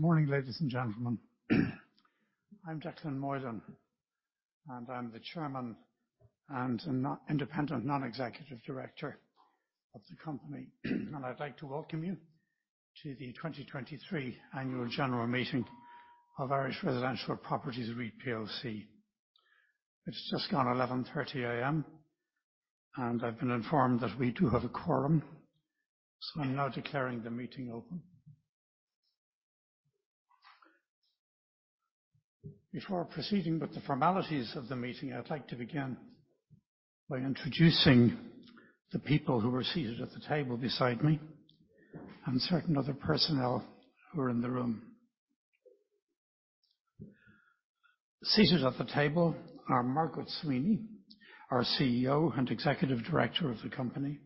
Morning, ladies and gentlemen. I'm Declan Moylan, I'm the Chairman and Independent Non-Executive Director of the company. I'd like to welcome you to the 2023 annual general meeting of Irish Residential Properties REIT plc. It's just gone 11:30 A.M., I've been informed that we do have a quorum, I'm now declaring the meeting open. Before proceeding with the formalities of the meeting, I'd like to begin by introducing the people who are seated at the table beside me and certain other personnel who are in the room. Seated at the table are Margaret Sweeney, our CEO and Executive Director of the company.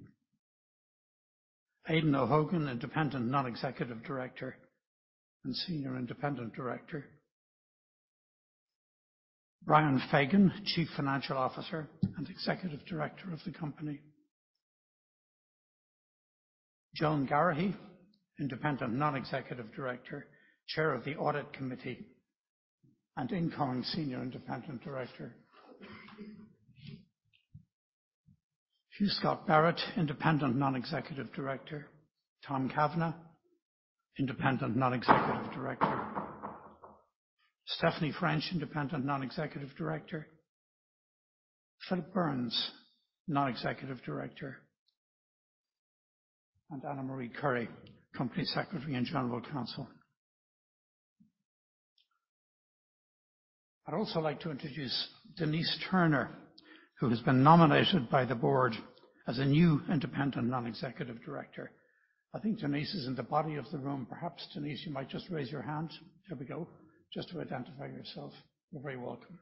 Aidan O'Hogan, Independent Non-Executive Director and Senior Independent Director. Brian Fagan, Chief Financial Officer and Executive Director of the company. Joan Garahy, Independent Non-Executive Director, Chair of the Audit Committee, and incoming Senior Independent Director. Hugh Scott-Barrett, Independent Non-Executive Director. Tom Kavanagh, Independent Non-Executive Director. Stefanie Frensch, Independent Non-Executive Director. Philip Burns, Non-Executive Director. Anne-Marie Curry, Company Secretary and General Counsel. I'd also like to introduce Denise Turner, who has been nominated by the board as a new Independent Non-Executive Director. I think Denise is in the body of the room. Perhaps, Denise, you might just raise your hand. There we go. Just to identify yourself. You're very welcome.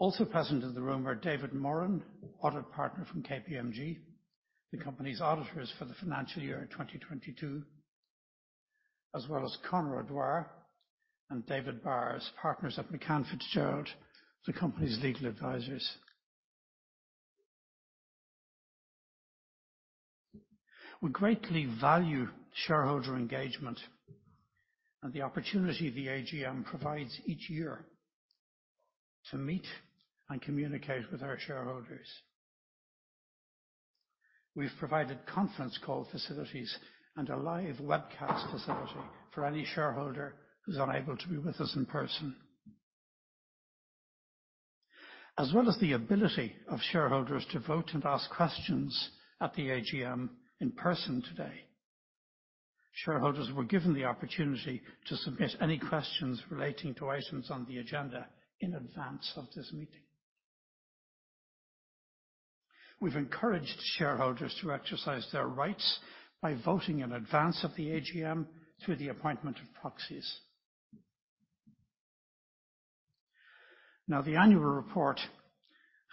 Also present in the room are David Moran, Audit Partner from KPMG, the company's auditors for the financial year 2022, as well as Conor O'Dwyer and David Byers as Partners at McCann FitzGerald, the company's legal advisors. We greatly value shareholder engagement and the opportunity the AGM provides each year to meet and communicate with our shareholders. We've provided conference call facilities and a live webcast facility for any shareholder who's unable to be with us in person. As well as the ability of shareholders to vote and ask questions at the AGM in person today, shareholders were given the opportunity to submit any questions relating to items on the agenda in advance of this meeting. We've encouraged shareholders to exercise their rights by voting in advance of the AGM through the appointment of proxies. The annual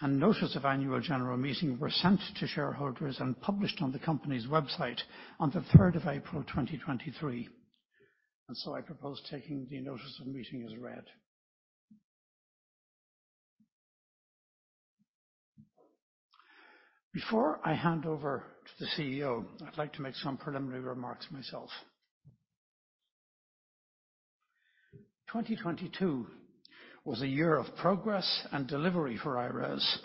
report and notice of annual general meeting were sent to shareholders and published on the company's website on the 3rd of April, 2023, and so I propose taking the notice of the meeting as read. Before I hand over to the CEO, I'd like to make some preliminary remarks myself. 2022 was a year of progress and delivery for IRES.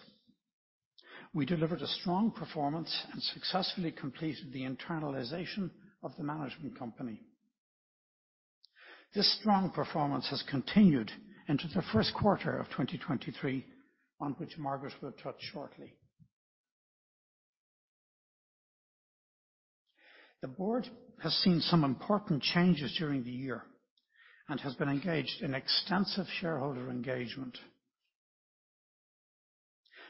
We delivered a strong performance and successfully completed the internalization of the management company. This strong performance has continued into the first quarter of 2023, on which Margaret will touch shortly. The board has seen some important changes during the year and has been engaged in extensive shareholder engagement.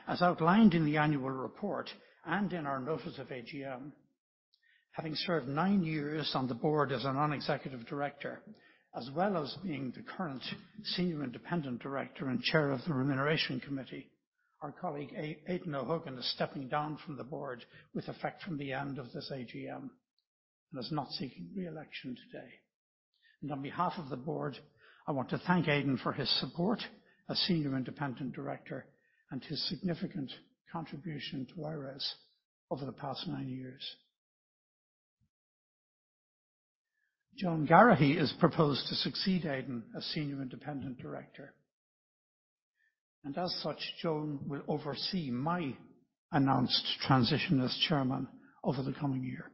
As outlined in the annual report and in our notice of AGM, having served 9 years on the board as a non-executive director, as well as being the current Senior Independent Director and Chair of the Remuneration Committee, our colleague Aidan O'Hogan is stepping down from the board with effect from the end of this AGM and is not seeking re-election today. On behalf of the board, I want to thank Aidan for his support as Senior Independent Director and his significant contribution to IRES over the past 9 years. Joan Garahy is proposed to succeed Aidan as senior independent director. As such, Joan will oversee my announced transition as chairman over the coming year.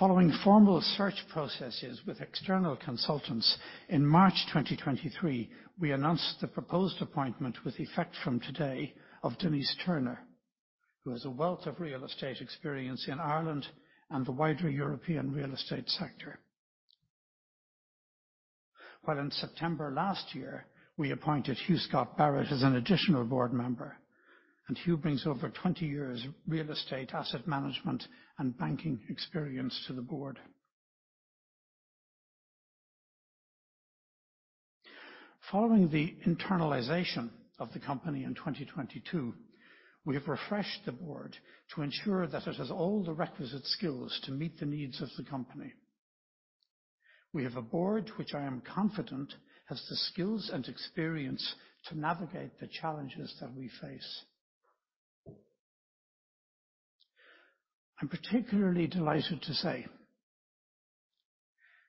Following formal search processes with external consultants, in March 2023, we announced the proposed appointment with effect from today of Denise Turner, who has a wealth of real estate experience in Ireland and the wider European real estate sector. While in September last year, we appointed Hugh Scott-Barrett as an additional board member. Hugh brings over 20 years real estate asset management and banking experience to the board. Following the internalization of the company in 2022, we have refreshed the board to ensure that it has all the requisite skills to meet the needs of the company. We have a board which I am confident has the skills and experience to navigate the challenges that we face. I'm particularly delighted to say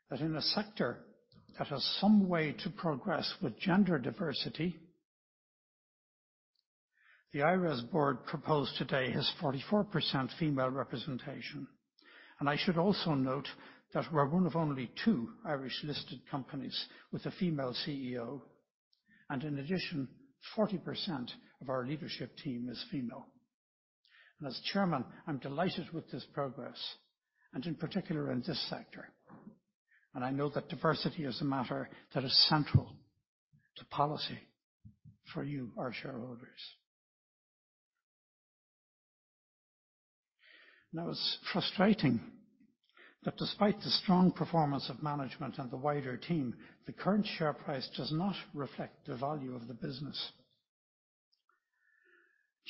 that in a sector that has some way to progress with gender diversity, the IRES board proposed today has 44% female representation. I should also note that we're one of only 2 Irish-listed companies with a female CEO. In addition, 40% of our leadership team is female. As chairman, I'm delighted with this progress, and in particular in this sector, and I know that diversity is a matter that is central to policy for you, our shareholders. Now, it's frustrating that despite the strong performance of management and the wider team, the current share price does not reflect the value of the business.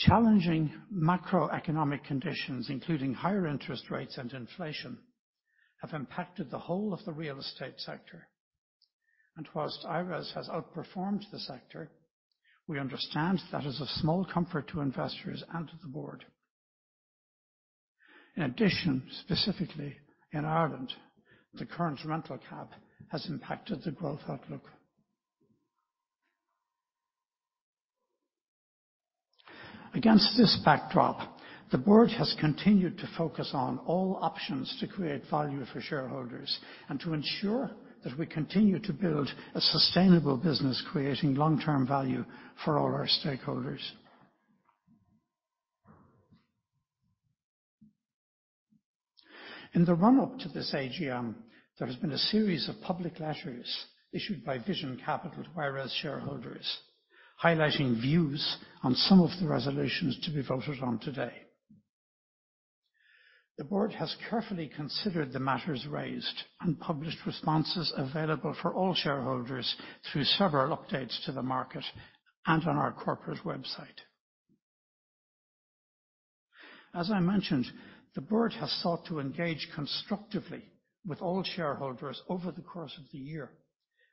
Challenging macroeconomic conditions, including higher interest rates and inflation, have impacted the whole of the real estate sector. Whilst IRES has outperformed the sector, we understand that is of small comfort to investors and to the board. In addition, specifically in Ireland, the current rent cap has impacted the growth outlook. Against this backdrop, the board has continued to focus on all options to create value for shareholders and to ensure that we continue to build a sustainable business, creating long-term value for all our stakeholders. In the run-up to this AGM, there has been a series of public letters issued by Vision Capital to IRES shareholders, highlighting views on some of the resolutions to be voted on today. The board has carefully considered the matters raised and published responses available for all shareholders through several updates to the market and on our corporate website. As I mentioned, the Board has sought to engage constructively with all shareholders over the course of the year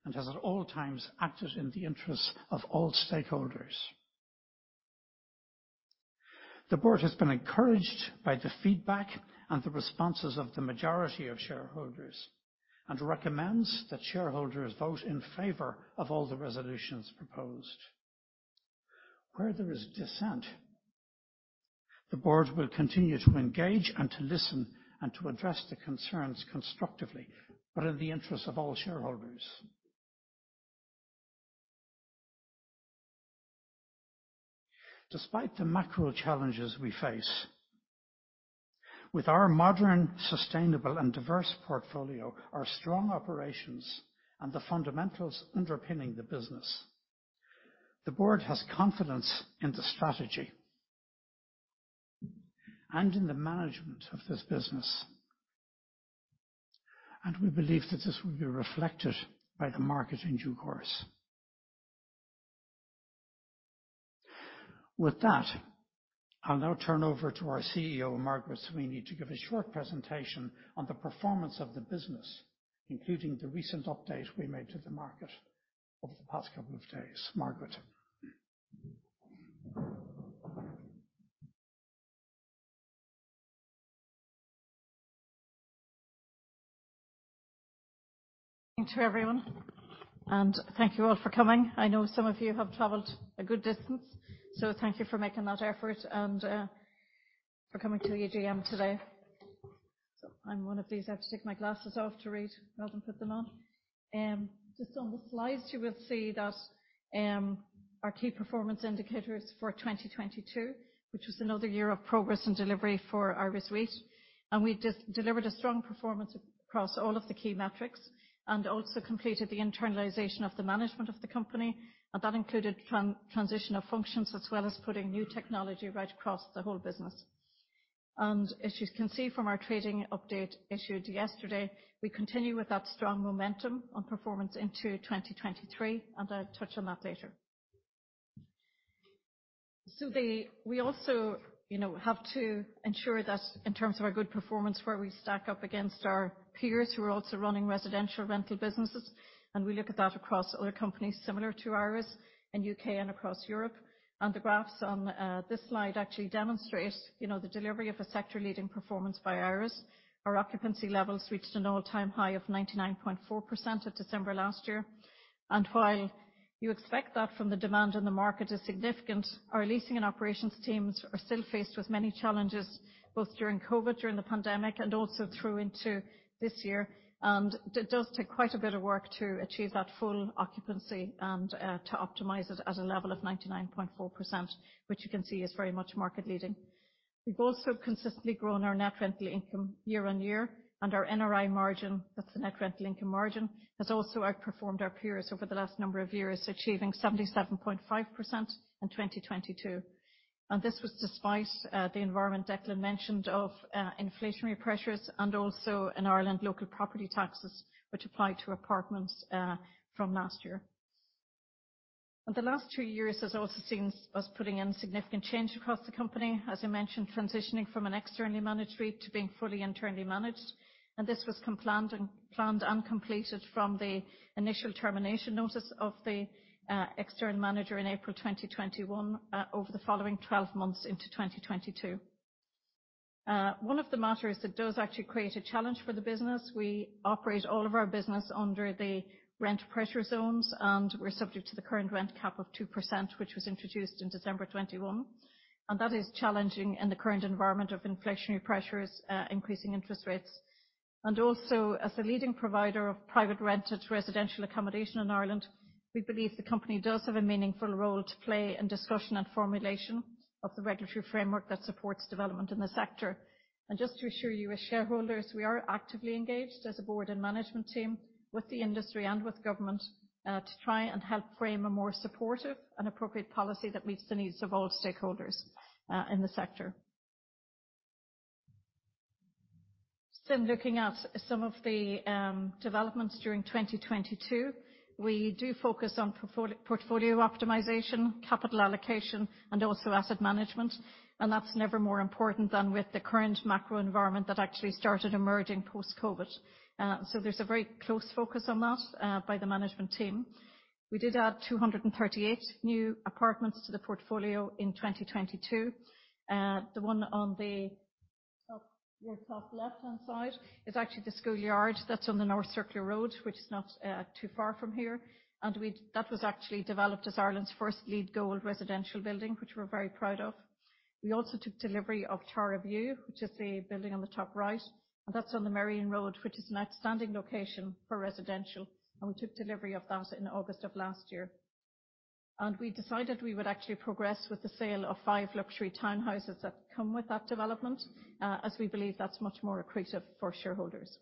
and has at all times acted in the interests of all stakeholders. The Board has been encouraged by the feedback and the responses of the majority of shareholders and recommends that shareholders vote in favor of all the resolutions proposed. Where there is dissent, the Board will continue to engage and to listen and to address the concerns constructively, but in the interest of all shareholders. Despite the macro challenges we face, with our modern, sustainable, and diverse portfolio, our strong operations, and the fundamentals underpinning the business, the Board has confidence in the strategy and in the management of this business. We believe that this will be reflected by the market in due course. With that, I'll now turn over to our CEO, Margaret Sweeney, to give a short presentation on the performance of the business, including the recent update we made to the market over the past couple of days. Margaret. To everyone. Thank you all for coming. I know some of you have traveled a good distance, so thank you for making that effort and for coming to the AGM today. I'm one of these. I have to take my glasses off to read rather than put them on. Just on the slides, you will see that our key performance indicators for 2022, which was another year of progress and delivery for IRES REIT. We delivered a strong performance across all of the key metrics and also completed the internalization of the management of the company, and that included transition of functions, as well as putting new technology right across the whole business. As you can see from our trading update issued yesterday, we continue with that strong momentum on performance into 2023, and I'll touch on that later. We also, you know, have to ensure that in terms of our good performance, where we stack up against our peers who are also running residential rental businesses. We look at that across other companies similar to ours in U.K. and across Europe. The graphs on this slide actually demonstrate, you know, the delivery of a sector-leading performance by IRES. Our occupancy levels reached an all-time high of 99.4% in December last year. While you expect that from the demand in the market is significant, our leasing and operations teams are still faced with many challenges, both during COVID, during the pandemic, and also through into this year. It does take quite a bit of work to achieve that full occupancy and to optimize it at a level of 99.4%, which you can see is very much market-leading. We've also consistently grown our net rental income year on year, and our NRI margin, that's the net rental income margin, has also outperformed our peers over the last number of years, achieving 77.5% in 2022. This was despite the environment Declan mentioned of inflationary pressures and also in Ireland, local property taxes, which apply to apartments from last year. The last three years has also seen us putting in significant change across the company, as I mentioned, transitioning from an externally managed REIT to being fully internally managed. This was planned and completed from the initial termination notice of the external manager in April 2021, over the following 12 months into 2022. One of the matters that does actually create a challenge for the business, we operate all of our business under the Rent Pressure Zones, and we're subject to the current rent cap of 2%, which was introduced in December 2021. That is challenging in the current environment of inflationary pressures, increasing interest rates. Also, as a leading provider of private rented residential accommodation in Ireland, we believe the company does have a meaningful role to play in discussion and formulation of the regulatory framework that supports development in the sector. Just to assure you, as shareholders, we are actively engaged as a board and management team with the industry and with government, to try and help frame a more supportive and appropriate policy that meets the needs of all stakeholders in the sector. In looking at some of the developments during 2022, we do focus on portfolio optimization, capital allocation, and also asset management. That's never more important than with the current macro environment that actually started emerging post-COVID. There's a very close focus on that by the management team. We did add 238 new apartments to the portfolio in 2022. The one on the top, your top left-hand side is actually The School Yard that's on the North Circular Road, which is not too far from here. That was actually developed as Ireland's first LEED Gold residential building, which we're very proud of. We also took delivery of Tara View, which is the building on the top right, and that's on the Merrion Road, which is an outstanding location for residential. We took delivery of that in August of last year. We decided we would actually progress with the sale of five luxury townhouses that come with that development, as we believe that's much more accretive for shareholders.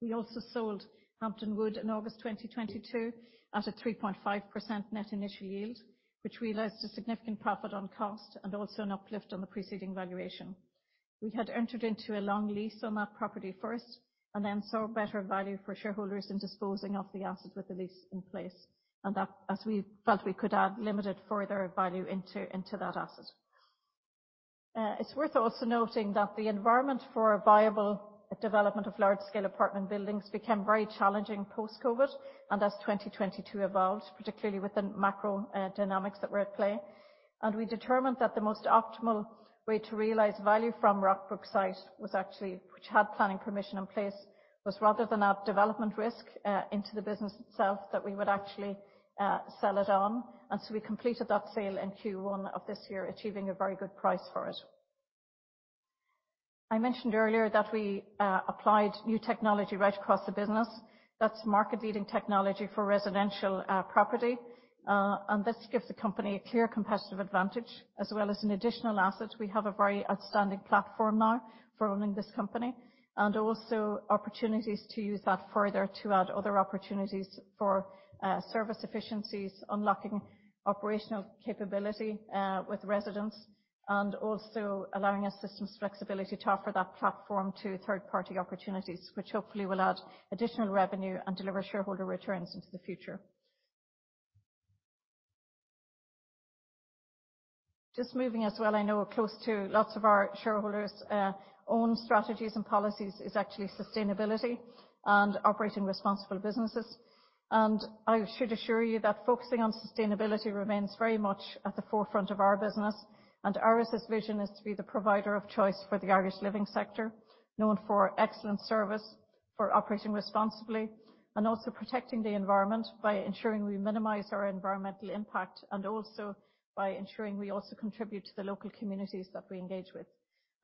We also sold Hampton Wood in August 2022 at a 3.5% net initial yield, which realized a significant profit on cost and also an uplift on the preceding valuation. We had entered into a long lease on that property first and then saw better value for shareholders in disposing of the assets with the lease in place. That as we felt we could add limited further value into that asset. It's worth also noting that the environment for viable development of large scale apartment buildings became very challenging post-COVID and as 2022 evolved, particularly with the macro dynamics that were at play. We determined that the most optimal way to realize value from Rockbrook site was actually, which had planning permission in place, was rather than add development risk into the business itself, that we would actually sell it on. We completed that sale in Q1 of this year, achieving a very good price for it. I mentioned earlier that we applied new technology right across the business. That's market-leading technology for residential property. This gives the company a clear competitive advantage as well as an additional asset. We have a very outstanding platform now for running this company and also opportunities to use that further to add other opportunities for service efficiencies, unlocking operational capability with residents, and also allowing us systems flexibility to offer that platform to third-party opportunities, which hopefully will add additional revenue and deliver shareholder returns into the future. Just moving as well, I know close to lots of our shareholders' own strategies and policies is actually sustainability and operating responsible businesses. I should assure you that focusing on sustainability remains very much at the forefront of our business. IRES's vision is to be the provider of choice for the Irish living sector, known for excellent service, for operating responsibly, and also protecting the environment by ensuring we minimize our environmental impact and also by ensuring we also contribute to the local communities that we engage with.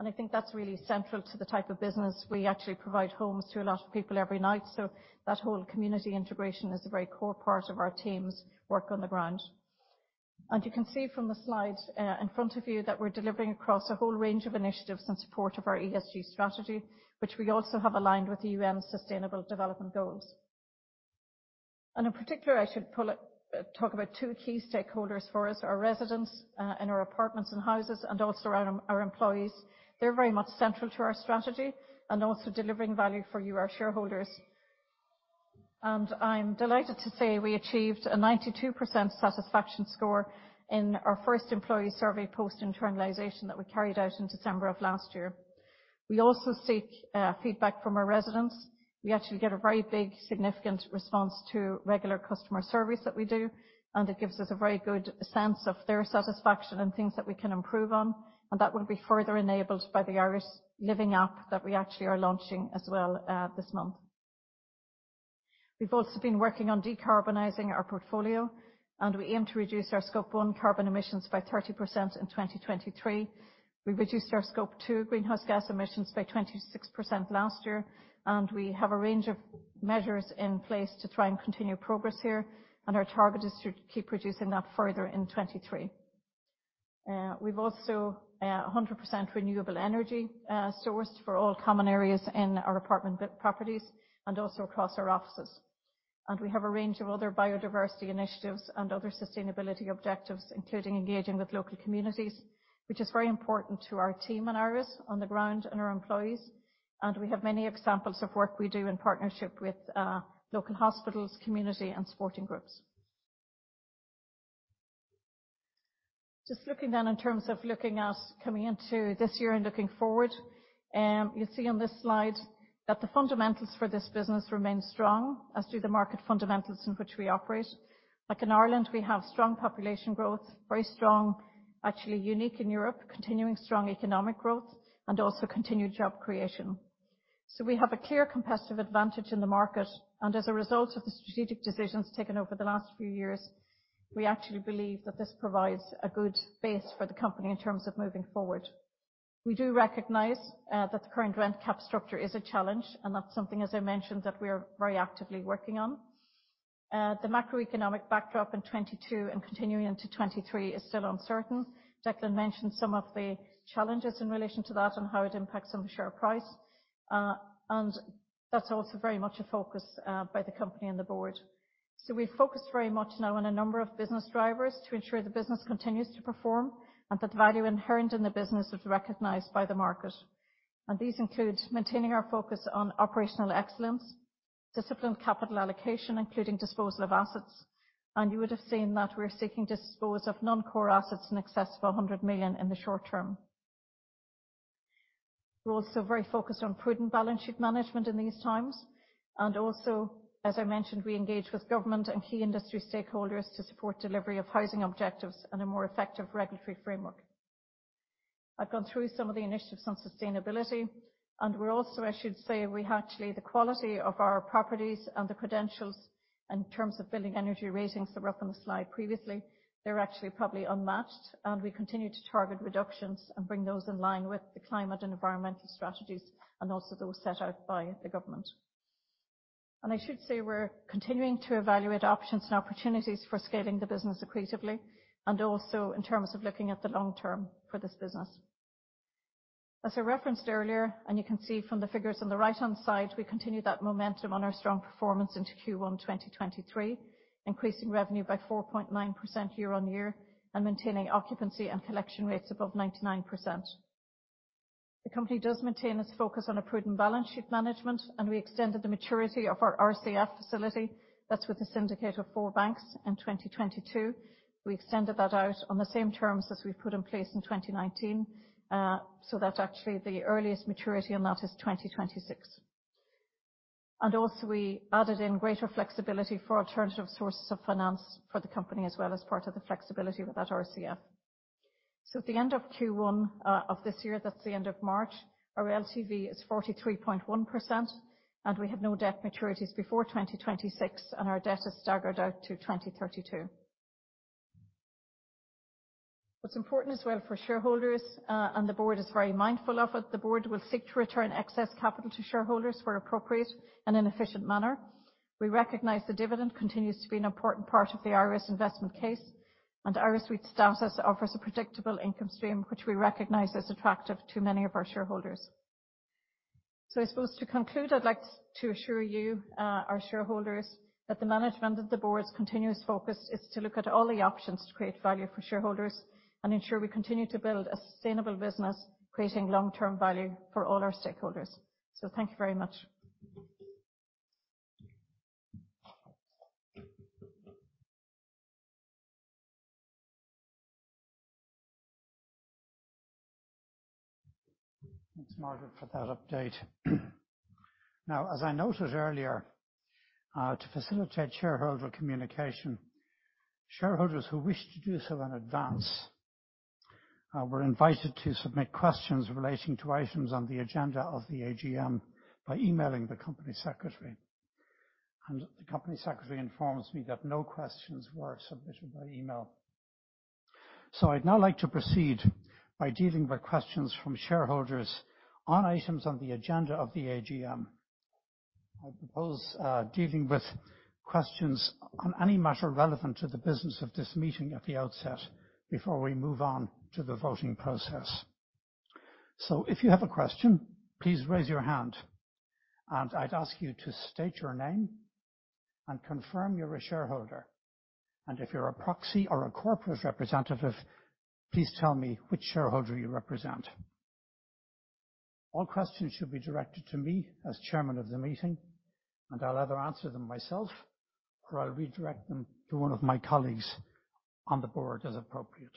I think that's really central to the type of business. We actually provide homes to a lot of people every night. So that whole community integration is a very core part of our team's work on the ground. You can see from the slide in front of you that we're delivering across a whole range of initiatives in support of our ESG strategy, which we also have aligned with the UN's Sustainable Development Goals. In particular, I should pull it, talk about two key stakeholders for us, our residents in our apartments and houses, and also our employees. They're very much central to our strategy and also delivering value for you, our shareholders. I'm delighted to say we achieved a 92% satisfaction score in our first employee survey post-internalization that we carried out in December of last year. We also seek feedback from our residents. We actually get a very big significant response to regular customer surveys that we do, and it gives us a very good sense of their satisfaction and things that we can improve on. That will be further enabled by the I•RES Living app that we actually are launching as well this month. We've also been working on decarbonizing our portfolio. We aim to reduce our Scope 1 carbon emissions by 30% in 2023. We reduced our Scope 2 greenhouse gas emissions by 26% last year. We have a range of measures in place to try and continue progress here. Our target is to keep reducing that further in 2023. We've also 100% renewable energy sourced for all common areas in our apartment properties and also across our offices. We have a range of other biodiversity initiatives and other sustainability objectives, including engaging with local communities, which is very important to our team in IRES on the ground and our employees. We have many examples of work we do in partnership with local hospitals, community, and sporting groups. Just looking in terms of looking at coming into this year and looking forward. You'll see on this slide that the fundamentals for this business remain strong, as do the market fundamentals in which we operate. Like in Ireland, we have strong population growth, very strong, actually unique in Europe, continuing strong economic growth and also continued job creation. We have a clear competitive advantage in the market, and as a result of the strategic decisions taken over the last few years, we actually believe that this provides a good base for the company in terms of moving forward. We do recognize that the current rent cap structure is a challenge, and that's something, as I mentioned, that we are very actively working on. The macroeconomic backdrop in 2022 and continuing into 2023 is still uncertain. Declan mentioned some of the challenges in relation to that and how it impacts on the share price, and that's also very much a focus by the company and the board. We've focused very much now on a number of business drivers to ensure the business continues to perform, and that the value inherent in the business is recognized by the market. These include maintaining our focus on operational excellence, disciplined capital allocation, including disposal of assets. You would have seen that we're seeking to dispose of non-core assets in excess of 100 million in the short term. We're also very focused on prudent balance sheet management in these times. Also, as I mentioned, we engage with government and key industry stakeholders to support delivery of housing objectives and a more effective regulatory framework. I've gone through some of the initiatives on sustainability, and we're also, I should say, we actually, the quality of our properties and the credentials in terms of building energy ratings that were up on the slide previously, they're actually probably unmatched. We continue to target reductions and bring those in line with the climate and environmental strategies and also those set out by the government. I should say we're continuing to evaluate options and opportunities for scaling the business accretively and also in terms of looking at the long term for this business. As I referenced earlier, and you can see from the figures on the right-hand side, we continue that momentum on our strong performance into Q1 2023. Increasing revenue by 4.9% year-on-year and maintaining occupancy and collection rates above 99%. The company does maintain its focus on a prudent balance sheet management, and we extended the maturity of our RCF facility. That's with a syndicate of four banks in 2022. We extended that out on the same terms as we put in place in 2019. So that actually the earliest maturity on that is 2026. Also, we added in greater flexibility for alternative sources of finance for the company as well as part of the flexibility with that RCF. At the end of Q1 of this year, that's the end of March, our LTV is 43.1%, and we have no debt maturities before 2026, and our debt is staggered out to 2032. What's important as well for shareholders, and the board is very mindful of it. The board will seek to return excess capital to shareholders where appropriate and in an efficient manner. We recognize the dividend continues to be an important part of the IRES investment case, and IRES with status offers a predictable income stream, which we recognize is attractive to many of our shareholders. I suppose to conclude, I'd like to assure you, our shareholders, that the management of the board's continuous focus is to look at all the options to create value for shareholders and ensure we continue to build a sustainable business creating long-term value for all our stakeholders. Thank you very much. Thanks, Margaret, for that update. As I noted earlier, to facilitate shareholder communication, shareholders who wished to do so in advance, were invited to submit questions relating to items on the agenda of the AGM by emailing the Company Secretary. The Company Secretary informs me that no questions were submitted by email. I'd now like to proceed by dealing with questions from shareholders on items on the agenda of the AGM. I propose dealing with questions on any matter relevant to the business of this meeting at the outset before we move on to the voting process. If you have a question, please raise your hand. I'd ask you to state your name and confirm you're a shareholder. If you're a proxy or a corporate representative, please tell me which shareholder you represent. All questions should be directed to me as chairman of the meeting, and I'll either answer them myself or I'll redirect them to one of my colleagues on the board as appropriate.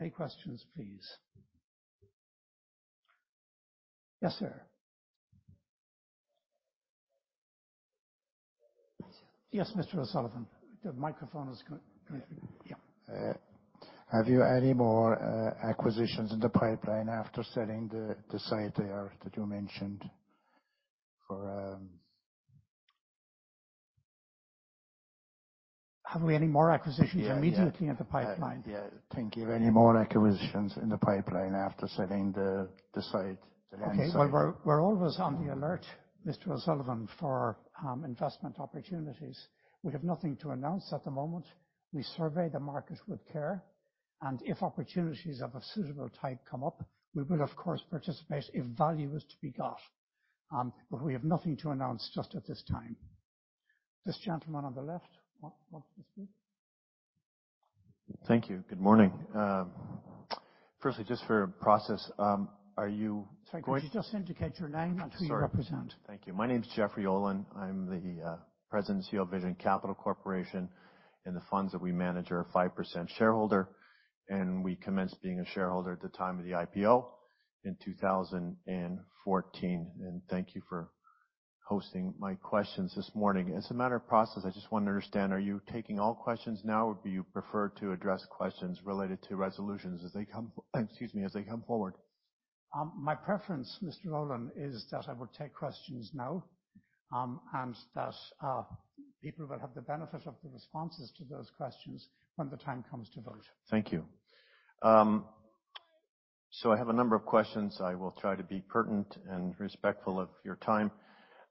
Any questions, please. Yes, sir. Yes, Mr. O'Sullivan. The microphone is. Have you any more acquisitions in the pipeline after selling the site there that you mentioned for... Have we any more acquisitions immediately in the pipeline? Yeah. Thank you. Any more acquisitions in the pipeline after selling the site, the land site? Okay. Well, we're always on the alert, Mr. O'Sullivan, for investment opportunities. We have nothing to announce at the moment. We survey the market with care, if opportunities of a suitable type come up, we will of course participate if value is to be got. We have nothing to announce just at this time. This gentleman on the left wants to speak. Thank you. Good morning. Just for process. Sorry, could you just indicate your name and who you represent? I'm sorry. Thank you. My name is Jeffrey Olin. I'm the president of CEO Vision Capital Corporation, the funds that we manage are a 5% shareholder, we commenced being a shareholder at the time of the IPO in 2014. Thank you for hosting my questions this morning. As a matter of process, I just want to understand, are you taking all questions now, or would you prefer to address questions related to resolutions as they come forward? My preference, Mr. Olin, is that I would take questions now, and that people will have the benefit of the responses to those questions when the time comes to vote. Thank you. I have a number of questions. I will try to be pertinent and respectful of your time,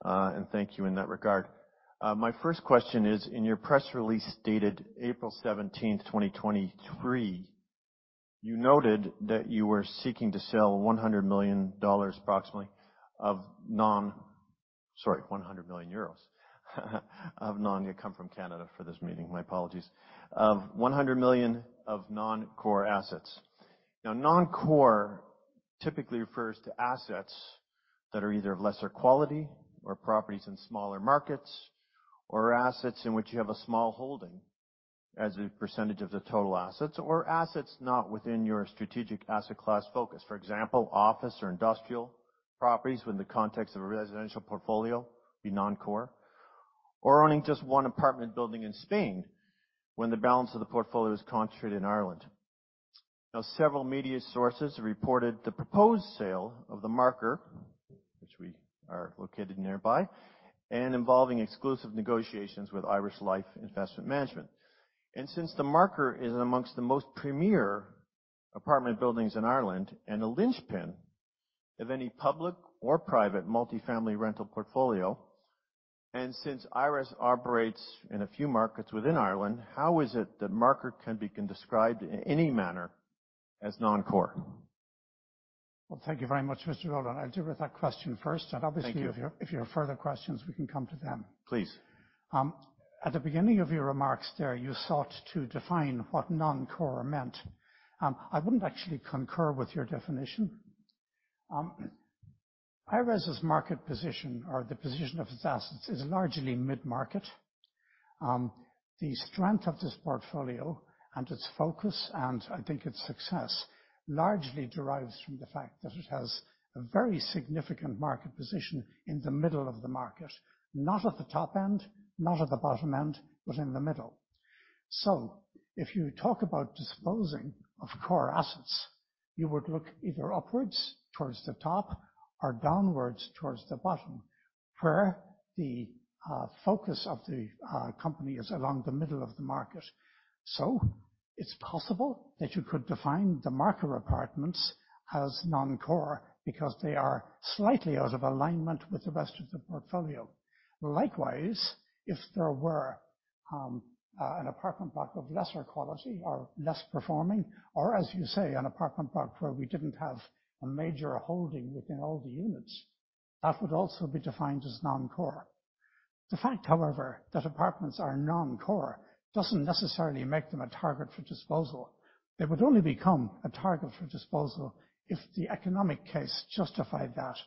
and thank you in that regard. My first question is, in your press release dated April 17, 2023, you noted that you were seeking to sell $100 million approximately. Sorry, 100 million euros. I come from Canada for this meeting. My apologies. 100 million of non-core assets. Now, non-core typically refers to assets that are either of lesser quality or properties in smaller markets or assets in which you have a small holding as a percentage of the total assets or assets not within your strategic asset class focus. For example, office or industrial properties within the context of a residential portfolio, be non-core, or owning just one apartment building in Spain when the balance of the portfolio is concentrated in Ireland. Several media sources reported the proposed sale of The Marker, which we are located nearby, and involving exclusive negotiations with Irish Life Investment Managers. Since The Marker is amongst the most premier apartment buildings in Ireland and a linchpin of any public or private multifamily rental portfolio, and since IRES operates in a few markets within Ireland, how is it that Marker can be described in any manner as non-core? Thank you very much, Mr. Olin. I'll deal with that question first. Thank you. Obviously, if you, if you have further questions, we can come to them. Please. At the beginning of your remarks there, you sought to define what non-core meant. I wouldn't actually concur with your definition. IRES's market position or the position of its assets is largely mid-market. The strength of this portfolio and its focus, and I think its success, largely derives from the fact that it has a very significant market position in the middle of the market. Not at the top end, not at the bottom end, but in the middle. If you talk about disposing of core assets, you would look either upwards towards the top or downwards towards the bottom, where the focus of the company is along the middle of the market. It's possible that you could define The Marker apartments as non-core because they are slightly out of alignment with the rest of the portfolio. Likewise, if there were an apartment block of lesser quality or less performing, or as you say, an apartment block where we didn't have a major holding within all the units, that would also be defined as non-core. The fact, however, that apartments are non-core doesn't necessarily make them a target for disposal. They would only become a target for disposal if the economic case justified that.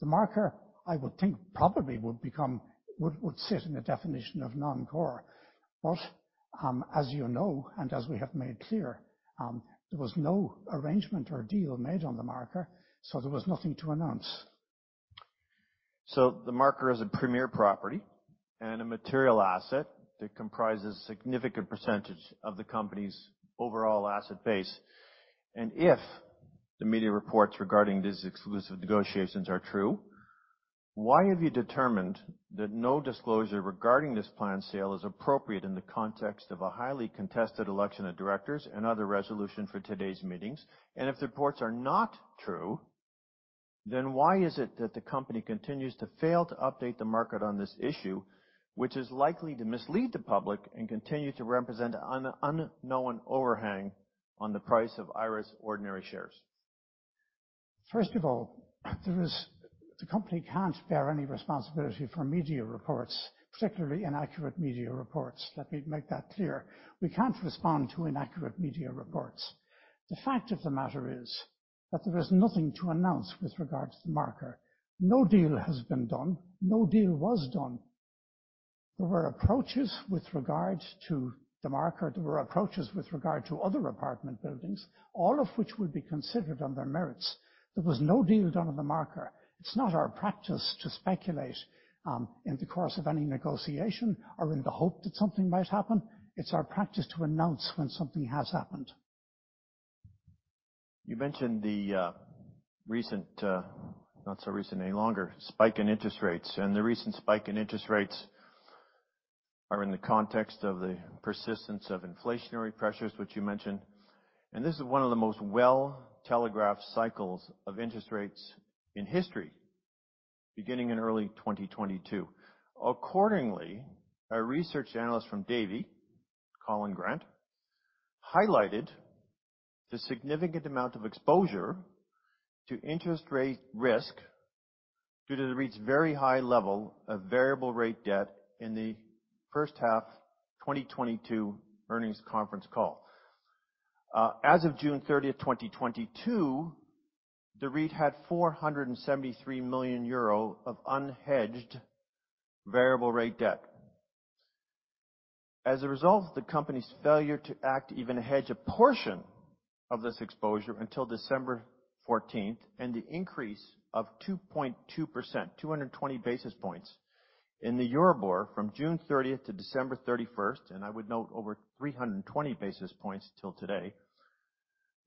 The Marker, I would think, probably would sit in a definition of non-core. As you know, and as we have made clear, there was no arrangement or deal made on The Marker, so there was nothing to announce. The Marker is a premier property and a material asset that comprises a significant percentage of the company's overall asset base. If the media reports regarding these exclusive negotiations are true, why have you determined that no disclosure regarding this planned sale is appropriate in the context of a highly contested election of directors and other resolution for today's meetings? If the reports are not true, why is it that the company continues to fail to update the market on this issue, which is likely to mislead the public and continue to represent an unknown overhang on the price of IRES ordinary shares? The company can't bear any responsibility for media reports, particularly inaccurate media reports. Let me make that clear. We can't respond to inaccurate media reports. The fact of the matter is that there is nothing to announce with regards to The Marker. No deal has been done. No deal was done. There were approaches with regard to The Marker. There were approaches with regard to other apartment buildings, all of which would be considered on their merits. There was no deal done on The Marker. It's not our practice to speculate in the course of any negotiation or in the hope that something might happen. It's our practice to announce when something has happened. You mentioned the recent, not so recent any longer, spike in interest rates. The recent spike in interest rates are in the context of the persistence of inflationary pressures, which you mentioned. This is one of the most well-telegraphed cycles of interest rates in history, beginning in early 2022. Accordingly, a research analyst from Davy, Colin Grant, highlighted the significant amount of exposure to interest rate risk due to the REIT's very high level of variable rate debt in the first half 2022 earnings conference call. As of June 30th, 2022, the REIT had 473 million euro of unhedged variable rate debt. As a result of the company's failure to act to even hedge a portion of this exposure until December 14th, and the increase of 2.2%, 220 basis points in the Euribor from June 30th to December 31st, and I would note over 320 basis points till today.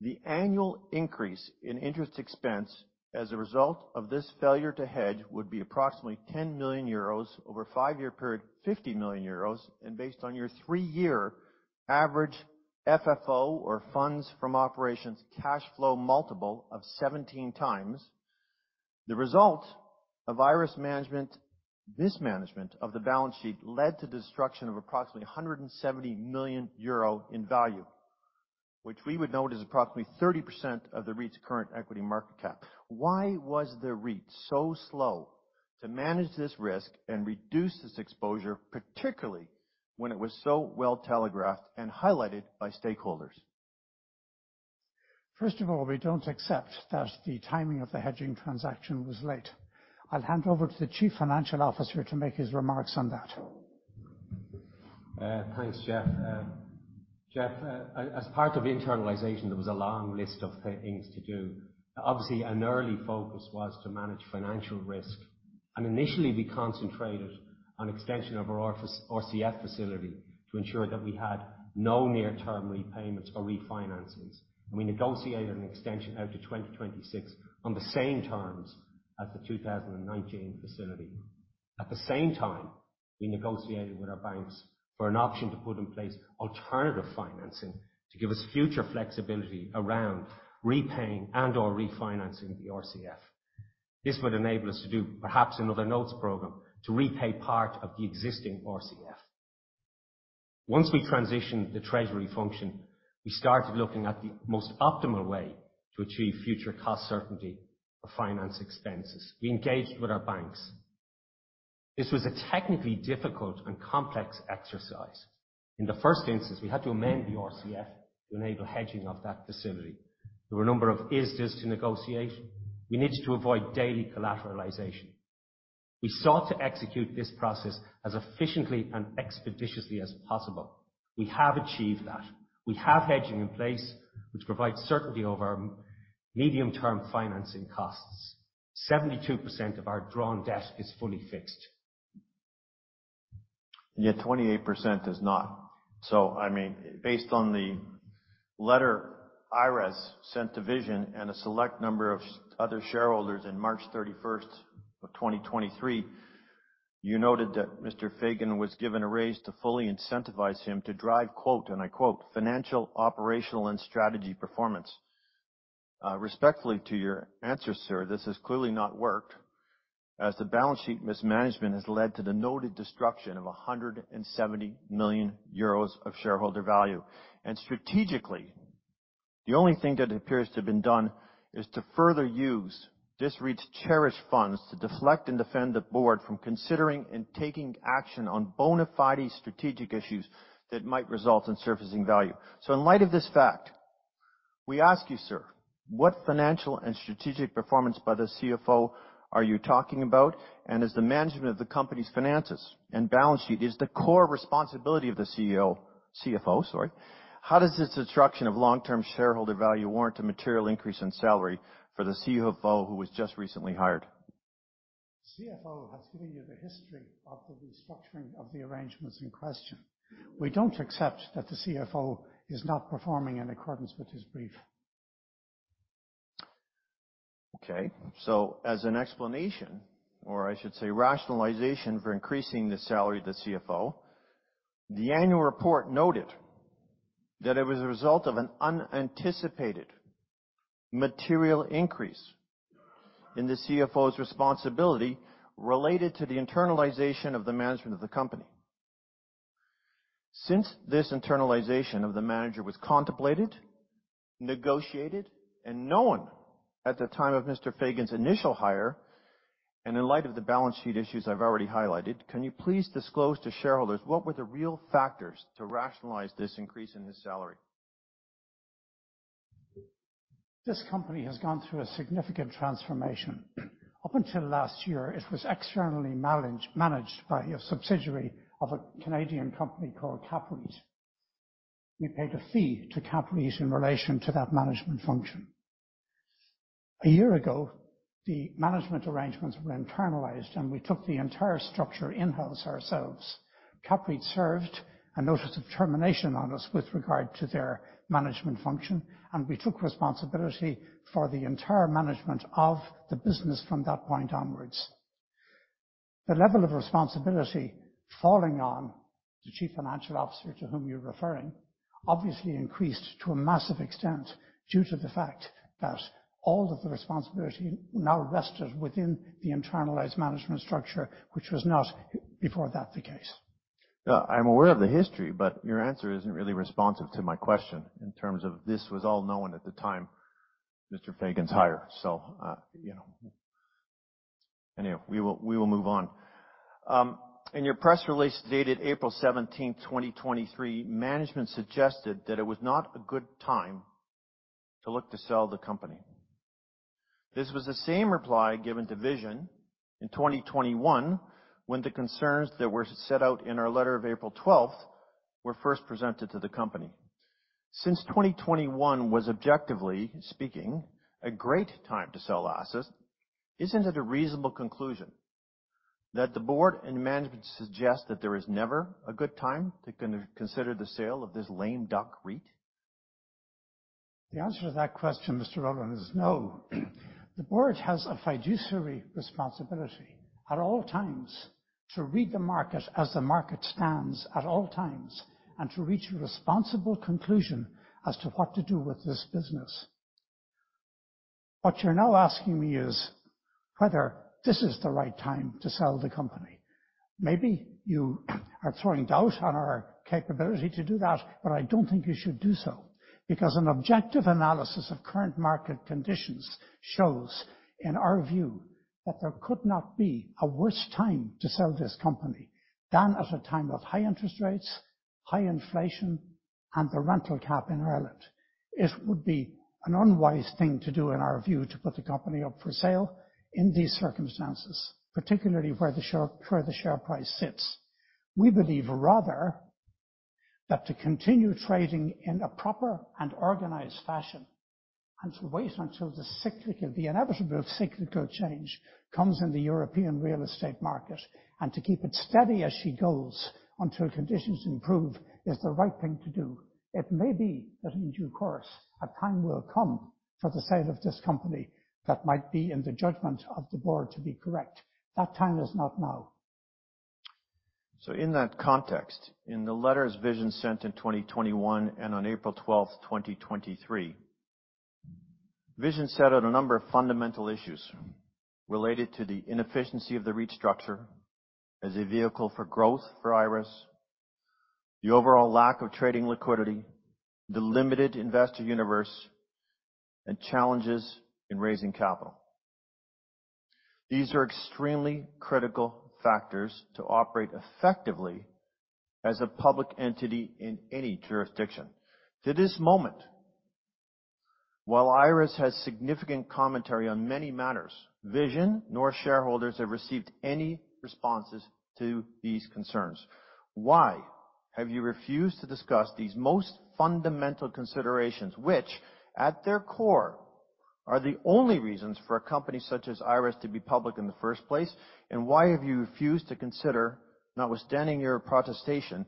The annual increase in interest expense as a result of this failure to hedge would be approximately 10 million euros over a 5-year period, 50 million euros. Based on your 3-year average FFO or funds from operations cash flow multiple of 17 times. The result of IRES mismanagement of the balance sheet led to destruction of approximately 170 million euro in value, which we would note is approximately 30% of the REIT's current equity market cap. Why was the REIT so slow to manage this risk and reduce this exposure, particularly when it was so well telegraphed and highlighted by stakeholders? First of all, we don't accept that the timing of the hedging transaction was late. I'll hand over to the Chief Financial Officer to make his remarks on that. Thanks, Jeff. Jeff, as part of internalization, there was a long list of things to do. Obviously, an early focus was to manage financial risk. Initially, we concentrated on extension of our RCF facility to ensure that we had no near-term repayments or refinancings. We negotiated an extension out to 2026 on the same terms as the 2019 facility. At the same time, we negotiated with our banks for an option to put in place alternative financing to give us future flexibility around repaying and or refinancing the RCF. This would enable us to do perhaps another notes program to repay part of the existing RCF. Once we transitioned the treasury function, we started looking at the most optimal way to achieve future cost certainty for finance expenses. We engaged with our banks. This was a technically difficult and complex exercise. In the first instance, we had to amend the RCF to enable hedging of that facility. There were a number of ISDA to negotiate. We needed to avoid daily collateralization. We sought to execute this process as efficiently and expeditiously as possible. We have achieved that. We have hedging in place which provides certainty over medium-term financing costs. 72% of our drawn debt is fully fixed. Yet 28% is not. I mean, based on the letter IRES sent to Vision and a select number of other shareholders in March 31, 2023, you noted that Mr. Fagan was given a raise to fully incentivize him to drive, quote, and I quote, "Financial, operational, and strategy performance." Respectfully to your answer, sir, this has clearly not worked, as the balance sheet mismanagement has led to the noted destruction of 170 million euros of shareholder value. Strategically, the only thing that appears to have been done is to further use this REIT's cherished funds to deflect and defend the board from considering and taking action on bona fide strategic issues that might result in surfacing value. In light of this fact, we ask you, sir, what financial and strategic performance by the CFO are you talking about? As the management of the company's finances and balance sheet is the core responsibility of the CFO, sorry. How does this destruction of long-term shareholder value warrant a material increase in salary for the CFO who was just recently hired? CFO has given you the history of the restructuring of the arrangements in question. We don't accept that the CFO is not performing in accordance with his brief. Okay. As an explanation, or I should say rationalization for increasing the salary of the CFO, the annual report noted that it was a result of an unanticipated material increase in the CFO's responsibility related to the internalization of the management of the company. Since this internalization of the manager was contemplated, negotiated, and known at the time of Mr. Fagan's initial hire, and in light of the balance sheet issues I've already highlighted, can you please disclose to shareholders what were the real factors to rationalize this increase in his salary? This company has gone through a significant transformation. Up until last year, it was externally managed by a subsidiary of a Canadian company called CAPREIT. We paid a fee to CAPREIT in relation to that management function. A year ago, the management arrangements were internalized, and we took the entire structure in-house ourselves. CAPREIT served a notice of termination on us with regard to their management function, and we took responsibility for the entire management of the business from that point onwards. The level of responsibility falling on the Chief Financial Officer to whom you're referring, obviously increased to a massive extent due to the fact that all of the responsibility now rested within the internalized management structure, which was not before that the case. I'm aware of the history, your answer isn't really responsive to my question in terms of this was all known at the time Mr. Fagan's hire. You know. Anyhow, we will move on. In your press release dated April 17th, 2023, management suggested that it was not a good time to look to sell the company. This was the same reply given to Vision in 2021 when the concerns that were set out in our letter of April 12th were first presented to the company. Since 2021 was objectively speaking, a great time to sell assets, isn't it a reasonable conclusion that the board and management suggest that there is never a good time to consider the sale of this lame duck REIT? The answer to that question, Mr. Olin, is no. The board has a fiduciary responsibility at all times to read the market as the market stands at all times and to reach a responsible conclusion as to what to do with this business. What you're now asking me is whether this is the right time to sell the company. Maybe you are throwing doubt on our capability to do that, but I don't think you should do so, because an objective analysis of current market conditions shows, in our view, that there could not be a worse time to sell this company than at a time of high interest rates, high inflation, and the rental cap in Ireland. It would be an unwise thing to do, in our view, to put the company up for sale in these circumstances, particularly where the share price sits. We believe rather that to continue trading in a proper and organized fashion and to wait until the cyclical, the inevitable cyclical change comes in the European real estate market and to keep it steady as she goes until conditions improve is the right thing to do. It may be that in due course, a time will come for the sale of this company that might be in the judgment of the board to be correct. That time is not now. In that context, in the letters Vision sent in 2021 and on April 12th, 2023, Vision set out a number of fundamental issues related to the inefficiency of the REIT structure as a vehicle for growth for IRES, the overall lack of trading liquidity, the limited investor universe, and challenges in raising capital. These are extremely critical factors to operate effectively as a public entity in any jurisdiction. To this moment, while IRES has significant commentary on many matters, Vision nor shareholders have received any responses to these concerns. Why have you refused to discuss these most fundamental considerations, which, at their core, are the only reasons for a company such as IRES to be public in the first place? Why have you refused to consider, notwithstanding your protestation,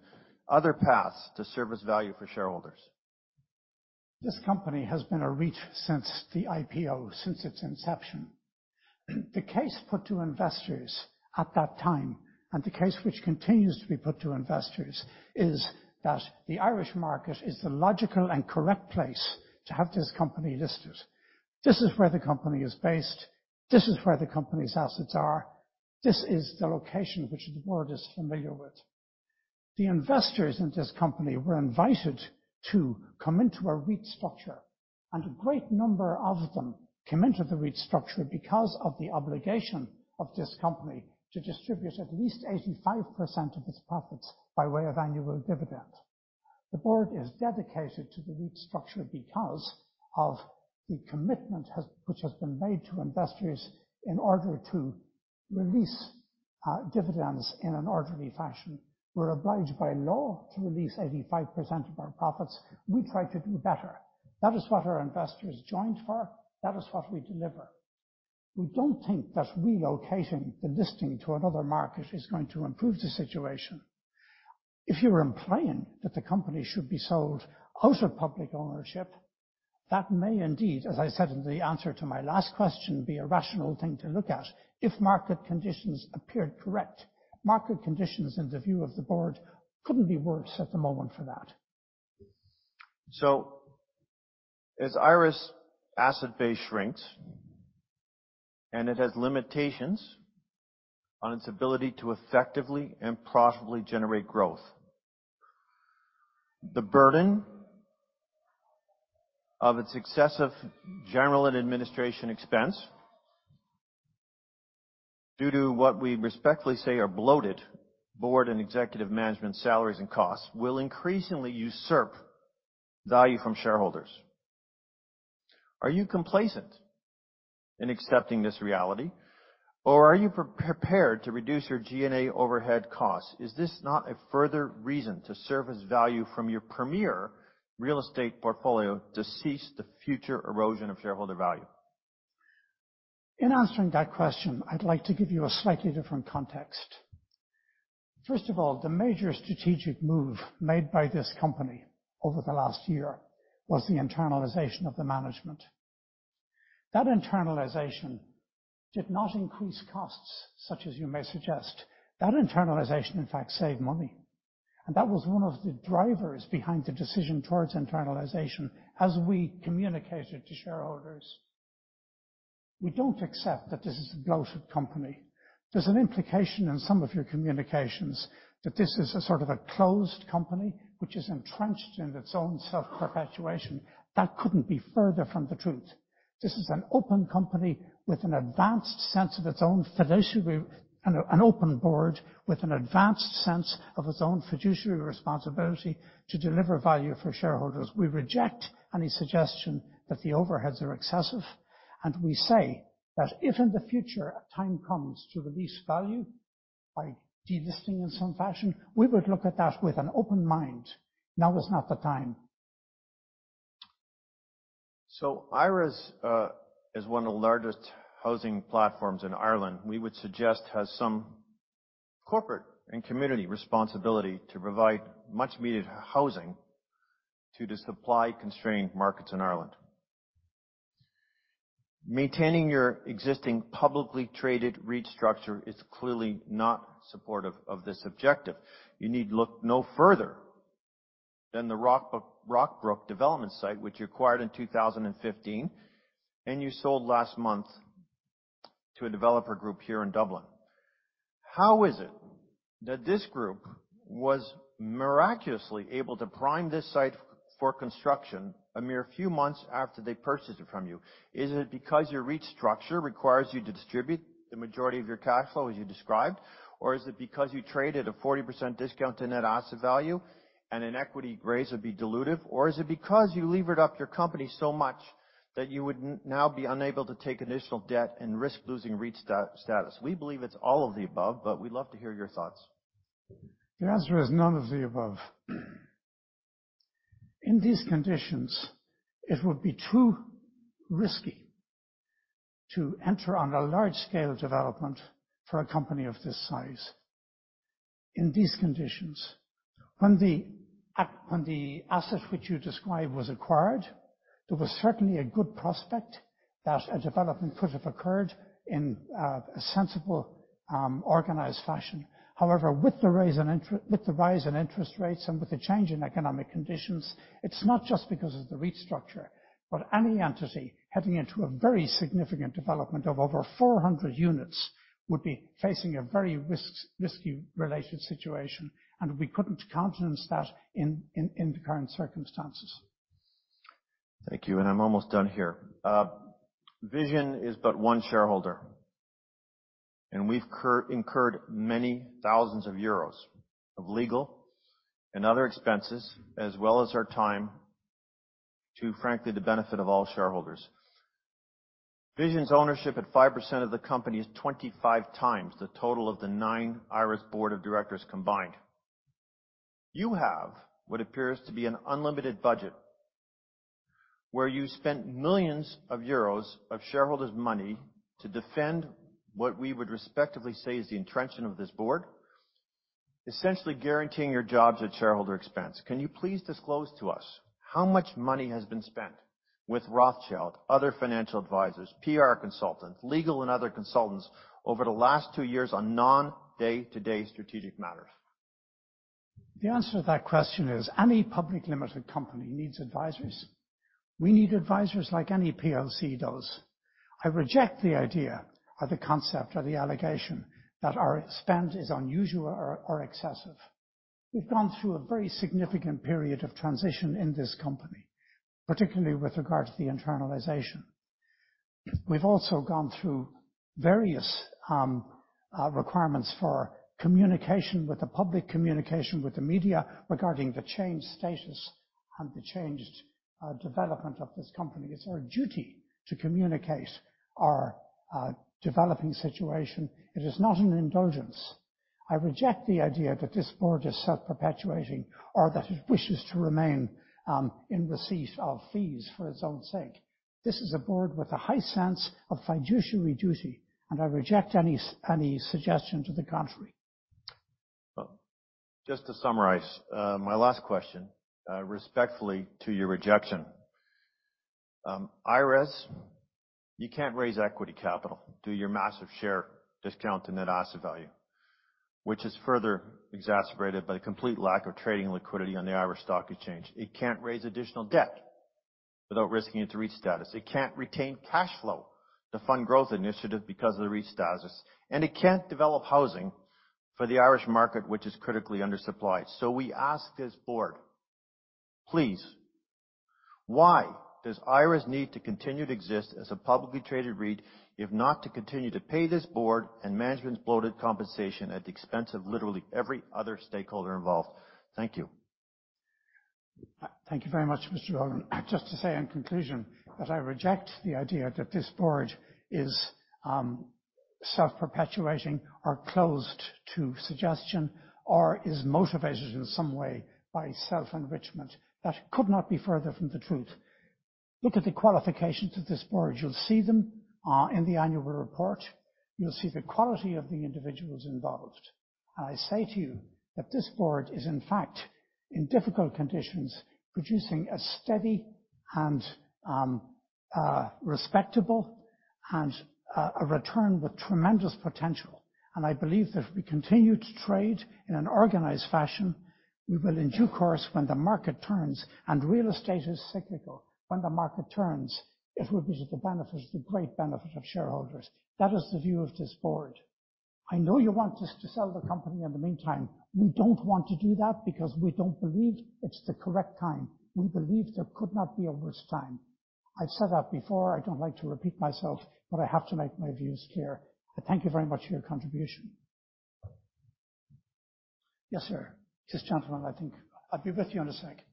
other paths to service value for shareholders? This company has been a REIT since the IPO, since its inception. The case put to investors at that time, the case which continues to be put to investors, is that the Irish market is the logical and correct place to have this company listed. This is where the company is based. This is where the company's assets are. This is the location which the board is familiar with. The investors in this company were invited to come into a REIT structure, a great number of them came into the REIT structure because of the obligation of this company to distribute at least 85% of its profits by way of annual dividends. The board is dedicated to the REIT structure because of the commitment which has been made to investors in order to release dividends in an orderly fashion. We're obliged by law to release 85% of our profits. We try to do better. That is what our investors joined for. That is what we deliver. We don't think that relocating the listing to another market is going to improve the situation. If you're implying that the company should be sold out of public ownership, that may indeed, as I said in the answer to my last question, be a rational thing to look at if market conditions appeared correct. Market conditions in the view of the board couldn't be worse at the moment for that. As IRES asset base shrinks, and it has limitations on its ability to effectively and profitably generate growth, the burden of its excessive General and Administrative expense due to what we respectfully say are bloated board and executive management salaries and costs will increasingly usurp value from shareholders. Are you complacent in accepting this reality, or are you pre-prepared to reduce your G&A overhead costs? Is this not a further reason to service value from your premier real estate portfolio to cease the future erosion of shareholder value? In answering that question, I'd like to give you a slightly different context. First of all, the major strategic move made by this company over the last year was the internalization of the management. That internalization did not increase costs, such as you may suggest. That internalization, in fact, saved money, and that was one of the drivers behind the decision towards internalization as we communicated to shareholders. We don't accept that this is a bloated company. There's an implication in some of your communications that this is a sort of a closed company which is entrenched in its own self-perpetuation. That couldn't be further from the truth. This is an open company with an advanced sense of its own fiduciary and an open board with an advanced sense of its own fiduciary responsibility to deliver value for shareholders. We reject any suggestion that the overheads are excessive. We say that if in the future a time comes to release value by delisting in some fashion, we would look at that with an open mind. Now is not the time. IRES is one of the largest housing platforms in Ireland. We would suggest has some corporate and community responsibility to provide much needed housing to the supply-constrained markets in Ireland. Maintaining your existing publicly traded REIT structure is clearly not supportive of this objective. You need look no further than the Rockbrook development site, which you acquired in 2015, and you sold last month to a developer group here in Dublin. How is it that this group was miraculously able to prime this site for construction a mere few months after they purchased it from you? Is it because your REIT structure requires you to distribute the majority of your cash flow as you described, or is it because you traded a 40% discount to net asset value and an equity raise would be dilutive, or is it because you levered up your company so much that you would now be unable to take additional debt and risk losing REIT status? We believe it's all of the above, but we'd love to hear your thoughts. The answer is none of the above. In these conditions, it would be too risky to enter on a large scale development for a company of this size. In these conditions, when the asset which you describe was acquired, there was certainly a good prospect that a development could have occurred in a sensible, organized fashion. With the rise in interest rates and with the change in economic conditions, it's not just because of the REIT structure. Any entity heading into a very significant development of over 400 units would be facing a very risky related situation, and we couldn't countenance that in the current circumstances. Thank you. I'm almost done here. Vision is but one shareholder, we've incurred many thousands of EUR of legal and other expenses as well as our time to, frankly, the benefit of all shareholders. Vision's ownership at 5% of the company is 25x the total of the nine IRES board of directors combined. You have what appears to be an unlimited budget, where you spent millions of EUR of shareholders' money to defend what we would respectively say is the entrenchment of this board, essentially guaranteeing your jobs at shareholder expense. Can you please disclose to us how much money has been spent with Rothschild, other financial advisors, PR consultants, legal and other consultants over the last 2 years on non-day-to-day strategic matters? The answer to that question is any public limited company needs advisors. We need advisors like any PLC does. I reject the idea or the concept or the allegation that our spend is unusual or excessive. We've gone through a very significant period of transition in this company, particularly with regard to the internalization. We've also gone through various requirements for communication with the public, communication with the media regarding the changed status and the changed development of this company. It's our duty to communicate our developing situation. It is not an indulgence. I reject the idea that this board is self-perpetuating or that it wishes to remain in receipt of fees for its own sake. This is a board with a high sense of fiduciary duty. I reject any suggestion to the contrary. Just to summarize, my last question, respectfully to your rejection. IRES, you can't raise equity capital due to your massive share discount to net asset value, which is further exacerbated by the complete lack of trading liquidity on the Irish Stock Exchange. It can't raise additional debt without risking its REIT status. It can't retain cash flow to fund growth initiative because of the REIT status. It can't develop housing for the Irish market, which is critically undersupplied. We ask this board, please, why does IRES need to continue to exist as a publicly traded REIT, if not to continue to pay this board and management's bloated compensation at the expense of literally every other stakeholder involved? Thank you. Thank you very much, Mr. Olin. Just to say in conclusion that I reject the idea that this board is self-perpetuating or closed to suggestion or is motivated in some way by self-enrichment. That could not be further from the truth. Look at the qualifications of this board. You'll see them in the annual report. You'll see the quality of the individuals involved. I say to you that this board is, in fact, in difficult conditions, producing a steady and respectable and a return with tremendous potential. I believe that if we continue to trade in an organized fashion. We will in due course when the market turns and real estate is cyclical. When the market turns, it will be to the benefit, the great benefit of shareholders. That is the view of this board. I know you want us to sell the company in the meantime. We don't want to do that because we don't believe it's the correct time. We believe there could not be a worse time. I've said that before. I don't like to repeat myself, but I have to make my views clear. I thank you very much for your contribution. Yes, sir. This gentleman, I think. I'll be with you in a sec.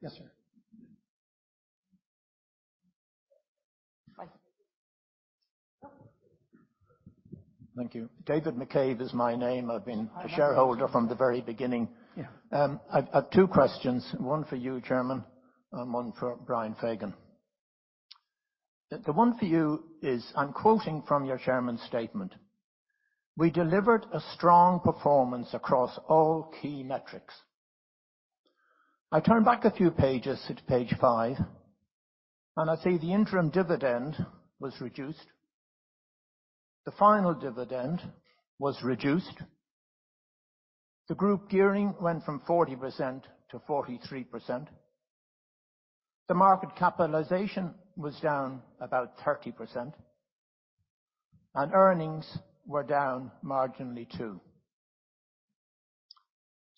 Yes, sir. Thank you. David McCabe is my name. I've been a shareholder from the very beginning. Yeah. I've two questions, one for you, Chairman, and one for Brian Fagan. The one for you is, I'm quoting from your Chairman's statement. "We delivered a strong performance across all key metrics." I turn back a few pages to page 5, and I see the interim dividend was reduced. The final dividend was reduced. The group gearing went from 40% to 43%. The market capitalization was down about 30%, and earnings were down marginally too.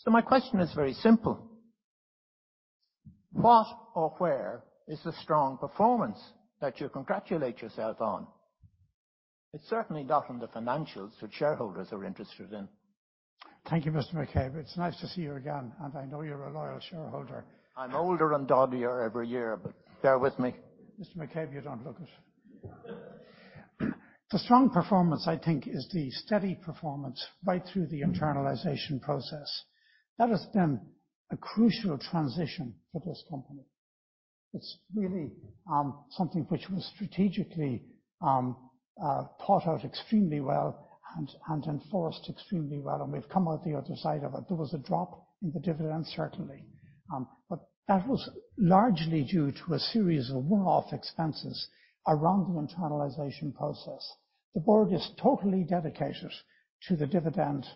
My question is very simple: what or where is the strong performance that you congratulate yourself on? It's certainly not on the financials that shareholders are interested in. Thank you, Mr. McCabe. It's nice to see you again, and I know you're a loyal shareholder. I'm older and doggier every year, but bear with me. Mr. McCabe, you don't look it. The strong performance, I think, is the steady performance right through the internalization process. That has been a crucial transition for this company. It's really something which was strategically thought out extremely well and enforced extremely well, and we've come out the other side of it. There was a drop in the dividend, certainly, but that was largely due to a series of one-off expenses around the internalization process. The board is totally dedicated to the dividend,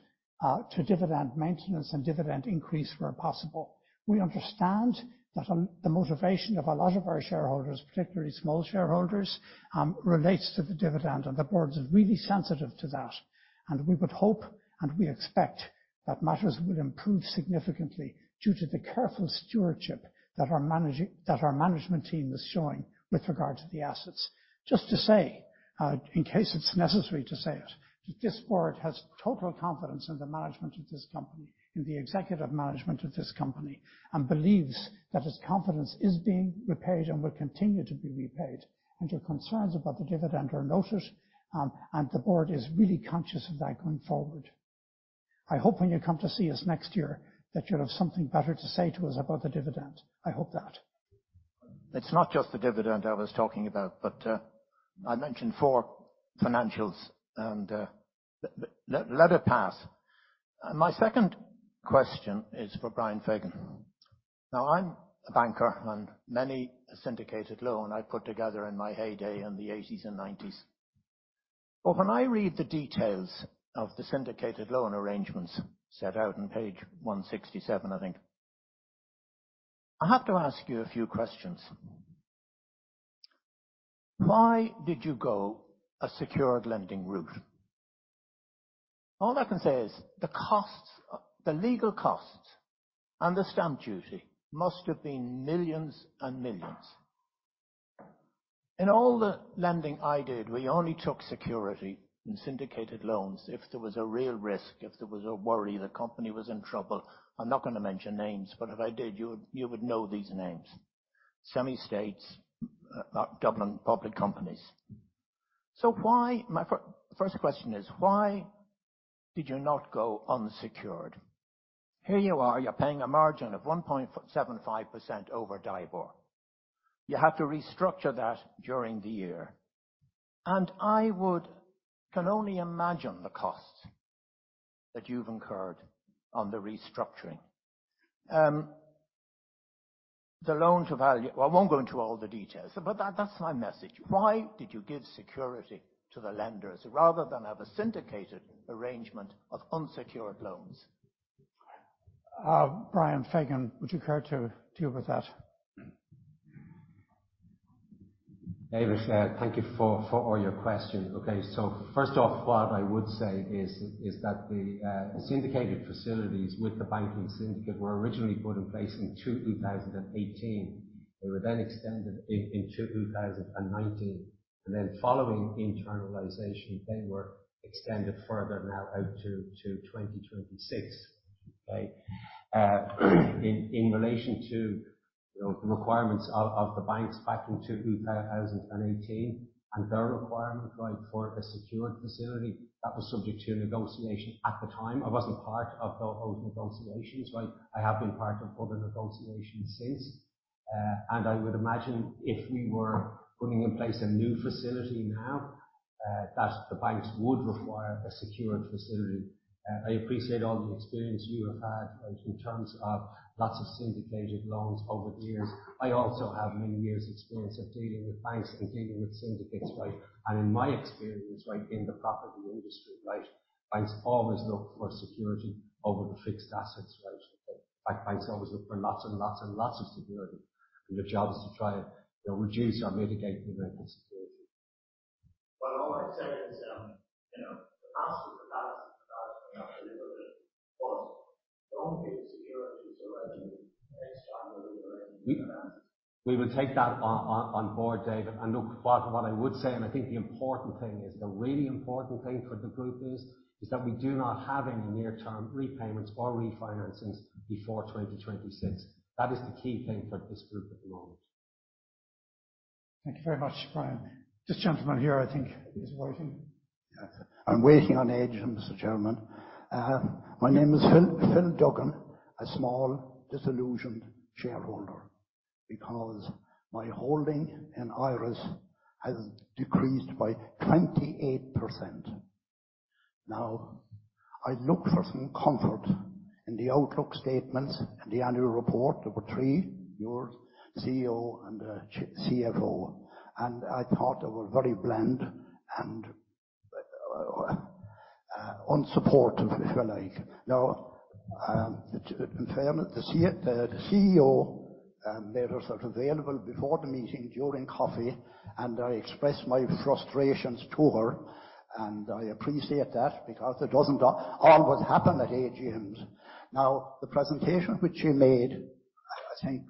to dividend maintenance and dividend increase where possible. We understand that on the motivation of a lot of our shareholders, particularly small shareholders, relates to the dividend and the board is really sensitive to that. We would hope, and we expect that matters will improve significantly due to the careful stewardship that our management team is showing with regard to the assets. Just to say, in case it's necessary to say it, that this board has total confidence in the management of this company, in the executive management of this company and believes that its confidence is being repaid and will continue to be repaid. Your concerns about the dividend are noted, and the board is really conscious of that going forward. I hope when you come to see us next year that you'll have something better to say to us about the dividend. I hope that. It's not just the dividend I was talking about, I mentioned 4 financials and let it pass. My second question is for Brian Fagan. I'm a banker and many syndicated loan I put together in my heyday in the 1980s and 1990s. When I read the details of the syndicated loan arrangements set out on page 167, I think. I have to ask you a few questions. Why did you go a secured lending route? All I can say is the costs, the legal costs and the stamp duty must have been millions and millions. In all the lending I did, we only took security in syndicated loans if there was a real risk, if there was a worry the company was in trouble. I'm not gonna mention names, if I did, you would know these names. Semi-states, government public companies. My first question is: Why did you not go unsecured? Here you are, you're paying a margin of 1.75% over DIBOR. You have to restructure that during the year. I can only imagine the costs that you've incurred on the restructuring. The loan-to-value... Well, I won't go into all the details, but that's my message. Why did you give security to the lenders rather than have a syndicated arrangement of unsecured loans? Brian Fagan, would you care to deal with that? David, thank you for all your questions. Okay. First off, what I would say is that the syndicated facilities with the banking syndicate were originally put in place in 2018. They were then extended in 2019, and then following internalization, they were extended further now out to 2026. Right. In relation to the requirements of the banks back in 2018 and their requirement like for a secured facility that was subject to negotiation at the time. I wasn't part of those negotiations. Right. I have been part of other negotiations since. I would imagine if we were putting in place a new facility now that the banks would require a secured facility. I appreciate all the experience you have had in terms of Lots of syndicated loans over the years. I also have many years experience of dealing with banks and dealing with syndicates, right? In my experience, right, in the property industry, right, banks always look for security over the fixed assets, right? Like banks always look for lots and lots and lots of security, and your job is to try and, you know, reduce or mitigate the amount of security. All I'm saying is, you know, the past is the past, the past is the past and live with it. Don't give security to anybody next time there is a refinancing event. We will take that on board, David. Look, what I would say, and I think the important thing is, the really important thing for the group is that we do not have any near-term repayments or refinancings before 2026. That is the key thing for this group at the moment. Thank you very much, Brian. This gentleman here I think is waiting. I'm waiting on age, Mr. Chairman. My name is Phil Duggan, a small disillusioned shareholder, because my holding in IRES has decreased by 28%. I look for some comfort in the outlook statements in the annual report. There were three, yours, CEO, CFO, I thought they were very bland and unsupportive, if you like. To, in fairness, the CEO made herself available before the meeting during coffee, I expressed my frustrations to her, I appreciate that because it doesn't always happen at AGMs. The presentation which you made, I think,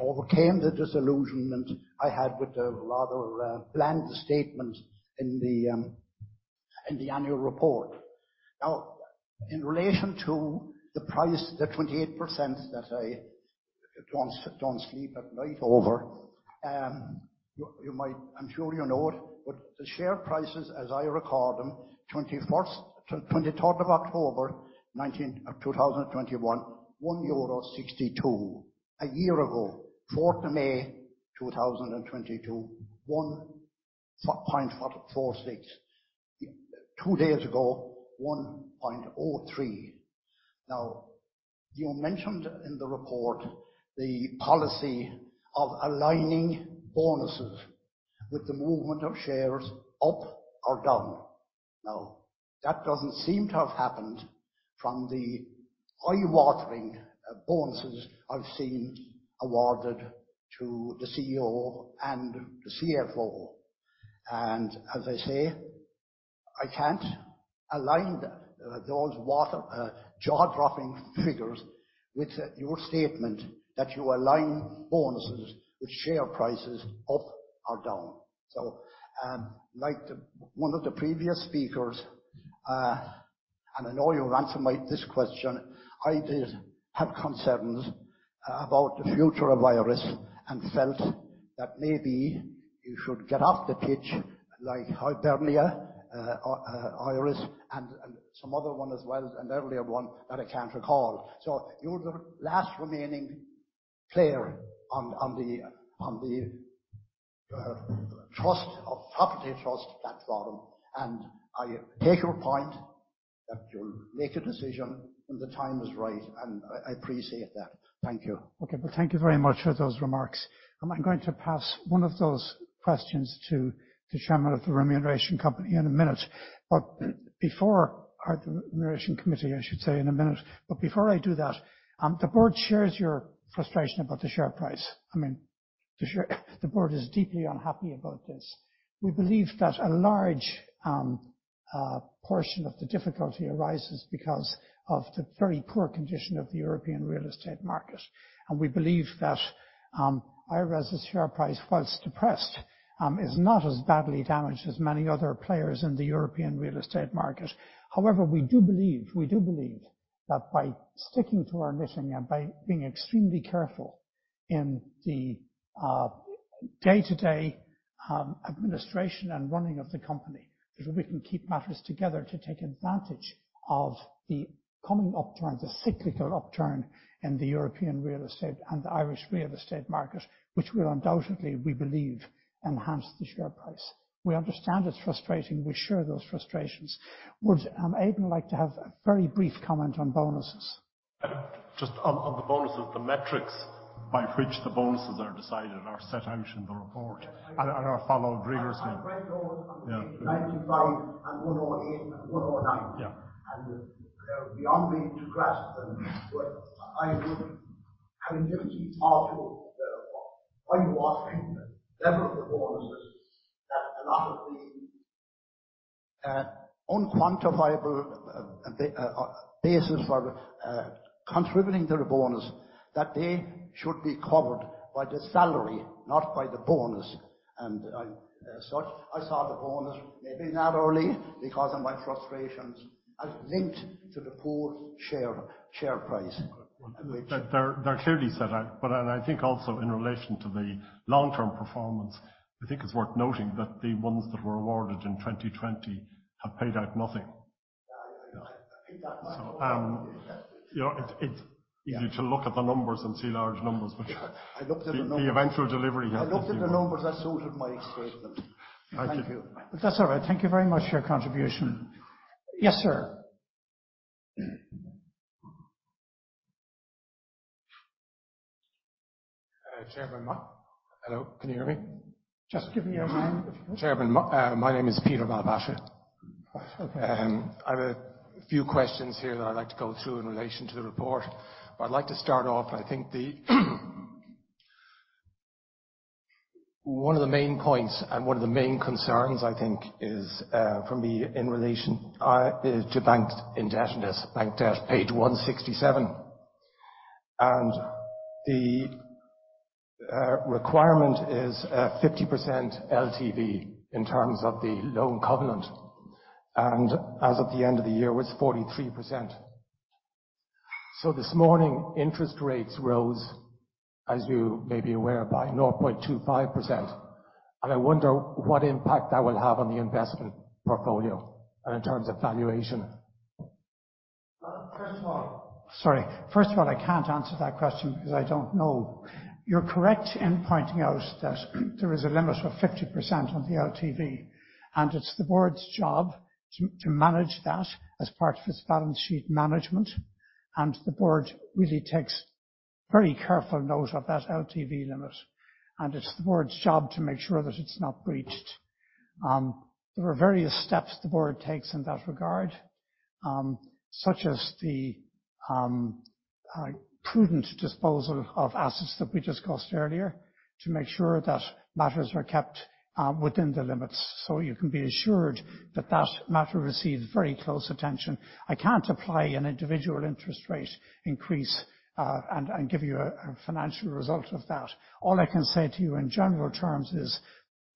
overcame the disillusionment I had with the rather bland statement in the annual report. In relation to the price, the 28% that I don't sleep at night over, you might... I'm sure you know it, the share prices as I recall them, 21st to 23rd of October 2021, 1.62 euro. A year ago, 4th of May 2022, 1.46. Two days ago, 1.03. You mentioned in the report the policy of aligning bonuses with the movement of shares up or down. That doesn't seem to have happened from the eye-watering bonuses I've seen awarded to the CEO and the CFO. As I say, I can't align those jaw-dropping figures with your statement that you align bonuses with share prices up or down. Like the one of the previous speakers, I know you'll answer this question. I did have concerns about the future of IRES and felt that maybe you should get off the pitch like Hibernia, IRES and some other one as well, an earlier one that I can't recall. You're the last remaining player on the trust or property trust platform. I take your point that you'll make a decision when the time is right, and I appreciate that. Thank you. Well, thank you very much for those remarks. I'm going to pass one of those questions to the chairman of the remuneration company in a minute, or the remuneration committee, I should say, in a minute. Before I do that, the board shares your frustration about the share price. I mean, The board is deeply unhappy about this. We believe that a large portion of the difficulty arises because of the very poor condition of the European real estate market. We believe that IRES' share price, whilst depressed, is not as badly damaged as many other players in the European real estate market. However, we do believe that by sticking to our mission and by being extremely careful in the day-to-day administration and running of the company, that we can keep matters together to take advantage of the coming upturn, the cyclical upturn in the European real estate and the Irish real estate market, which will undoubtedly, we believe, enhance the share price. We understand it's frustrating. We share those frustrations. Would Aidan like to have a very brief comment on bonuses? Just on the bonuses, the metrics by which the bonuses are decided are set out in the report and are followed rigorously. I read those. Yeah. 95 and Yeah. They're beyond me to grasp them. Having given due thought to the why you are paying the level of the bonuses, that a lot of the unquantifiable basis for contributing to the bonus, that they should be covered by the salary, not by the bonus. As such, I saw the bonus, maybe naively because of my frustrations, as linked to the poor share price. They're clearly set out. I think also in relation to the long-term performance, I think it's worth noting that the ones that were awarded in 2020 have paid out nothing. Yeah. I know. I paid that much. Yeah. you know, it's easy to look at the numbers and see large numbers. Yeah. I looked at the numbers. The eventual delivery has to be I looked at the numbers that suited my statement. Thank you. That's all right. Thank you very much for your contribution. Yes, sir. Chairman, Hello, can you hear me? Just give me your name, if you would. Chairman, my name is Peter Malbasha. Okay. I have a few questions here that I'd like to go through in relation to the report. I'd like to start off, One of the main points and one of the main concerns, I think is for me in relation is to banked indebtedness, banked debt, page 167. The requirement is a 50% LTV in terms of the loan covenant. As of the end of the year, was 43%. This morning, interest rates rose, as you may be aware, by 0.25%. I wonder what impact that will have on the investment portfolio and in terms of valuation. Sorry. First of all, I can't answer that question because I don't know. You're correct in pointing out that there is a limit of 50% on the LTV, and it's the board's job to manage that as part of its balance sheet management. The board really takes very careful note of that LTV limit, and it's the board's job to make sure that it's not breached. There are various steps the board takes in that regard, such as the prudent disposal of assets that we discussed earlier to make sure that matters are kept within the limits. You can be assured that that matter receives very close attention. I can't apply an individual interest rate increase and give you a financial result of that. All I can say to you in general terms is,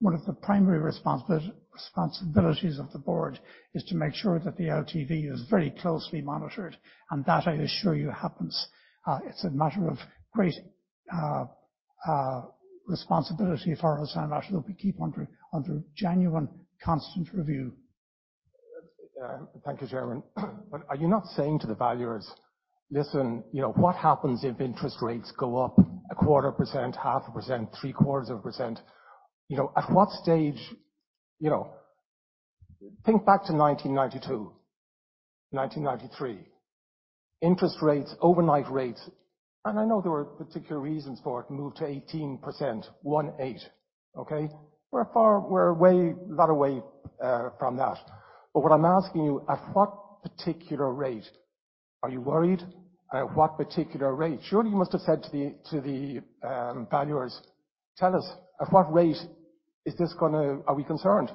one of the primary responsibilities of the board is to make sure that the LTV is very closely monitored, and that, I assure you, happens. It's a matter of great responsibility for Irish Residential that we keep under genuine constant review. Thank you, Chairman. Are you not saying to the valuers, "Listen, you know, what happens if interest rates go up a 0.25%, 0.5%, 0.75%?" You know, at what stage... You know, think back to 1992, 1993. Interest rates, overnight rates, and I know there were particular reasons for it, moved to 18%, 18. Okay? We're way, lot of way from that. What I'm asking you, at what particular rate are you worried? At what particular rate? Surely, you must have said to the valuers, "Tell us, at what rate are we concerned?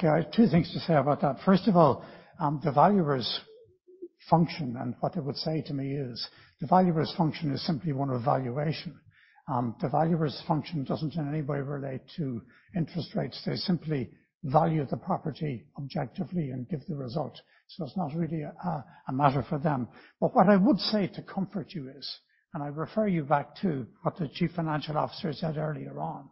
I have two things to say about that. The valuers' function, what they would say to me is, the valuers' function is simply one of valuation. The valuers' function doesn't in any way relate to interest rates. They simply value the property objectively and give the result. It's not really a matter for them. What I would say to comfort you is, I refer you back to what the Chief Financial Officer said earlier on.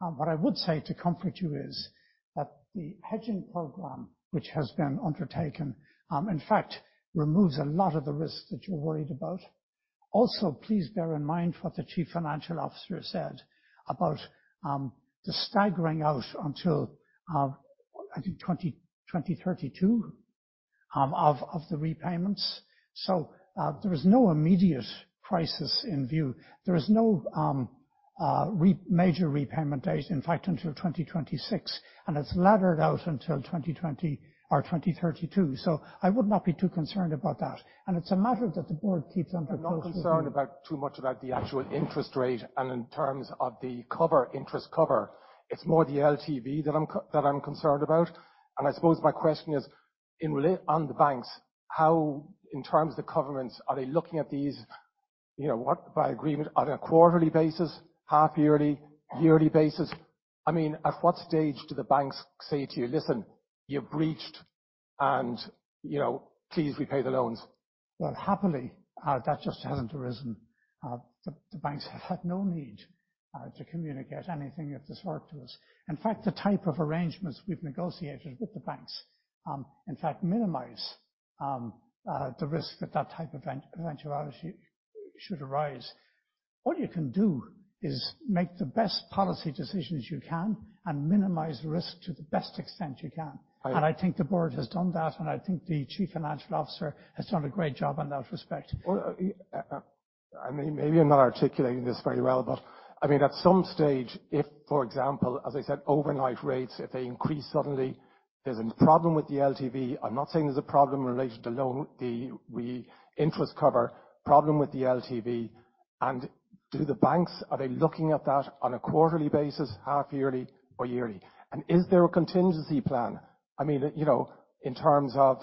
What I would say to comfort you is that the hedging program, which has been undertaken, in fact, removes a lot of the risks that you're worried about. Also, please bear in mind what the Chief Financial Officer said about the staggering out until I think 2032 of the repayments. There is no immediate crisis in view. There is no major repayment date, in fact, until 2026, and it's laddered out until 2020 or 2032. I would not be too concerned about that. It's a matter that the board keeps under close review. I'm not concerned about, too much about the actual interest rate and in terms of the cover, interest cover. It's more the LTV that I'm concerned about. I suppose my question is, on the banks, how, in terms of the covenants, are they looking at these, you know, what, by agreement on a quarterly basis, half-yearly, yearly basis? I mean, at what stage do the banks say to you, "Listen, you're breached and, you know, please repay the loans. Well, happily, that just hasn't arisen. The banks have had no need to communicate anything of the sort to us. In fact, the type of arrangements we've negotiated with the banks, in fact minimize the risk that that type of even-eventuality should arise. What you can do is make the best policy decisions you can and minimize risk to the best extent you can. I- I think the Board has done that, and I think the Chief Financial Officer has done a great job in that respect. Well, I mean, maybe I'm not articulating this very well, but I mean, at some stage, if, for example, as I said, overnight rates, if they increase suddenly, there's a problem with the LTV. I'm not saying there's a problem related to loan, the interest cover. Problem with the LTV. Do the banks, are they looking at that on a quarterly basis, half-yearly or yearly? Is there a contingency plan? I mean, you know, in terms of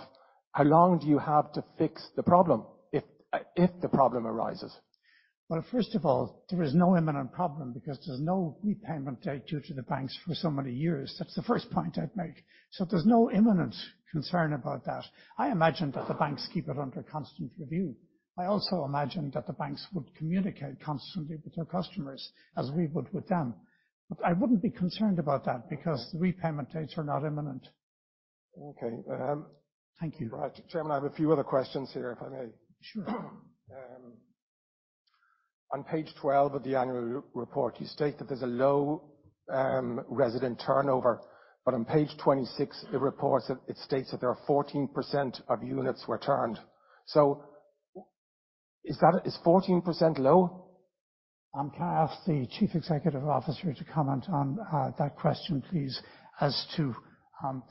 how long do you have to fix the problem if the problem arises? First of all, there is no imminent problem because there's no repayment date due to the banks for so many years. That's the first point I'd make. There's no imminent concern about that. I imagine that the banks keep it under constant review. I also imagine that the banks would communicate constantly with their customers, as we would with them. I wouldn't be concerned about that because the repayment dates are not imminent. Okay. Thank you. Right. Chairman, I have a few other questions here, if I may. Sure. On page 12 of the annual report, you state that there's a low resident turnover, on page 26, it states that there are 14% of units were turned. Is 14% low? Can I ask the Chief Executive Officer to comment on that question, please, as to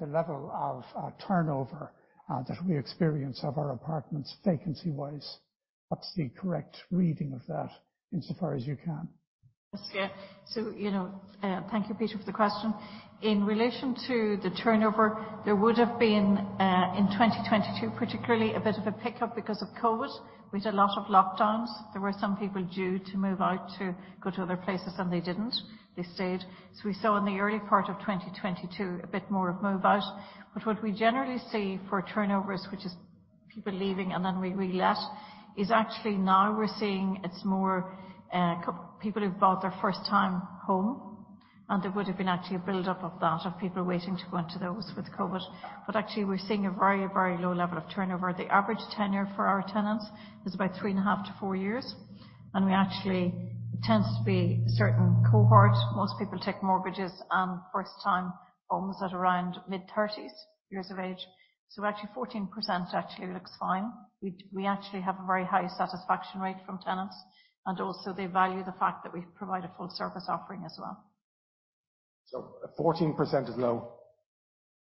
the level of turnover that we experience of our apartments vacancy-wise. What's the correct reading of that insofar as you can? Yes. You know. Thank you, Peter, for the question. In relation to the turnover, there would have been in 2022 particularly, a bit of a pickup because of COVID. We had a lot of lockdowns. There were some people due to move out to go to other places, and they didn't. They stayed. We saw in the early part of 2022 a bit more of move out. What we generally see for turnovers, which is people leaving and then we let, is actually now we're seeing it's more people who've bought their first-time home. There would have been actually a build-up of that, of people waiting to go into those with COVID. Actually, we're seeing a very, very low level of turnover. The average tenure for our tenants is about three and a half to four years. It tends to be a certain cohort. Most people take mortgages and first-time homes at around mid-30s years of age. Actually, 14% actually looks fine. We actually have a very high satisfaction rate from tenants, and also they value the fact that we provide a full service offering as well. 14% is low?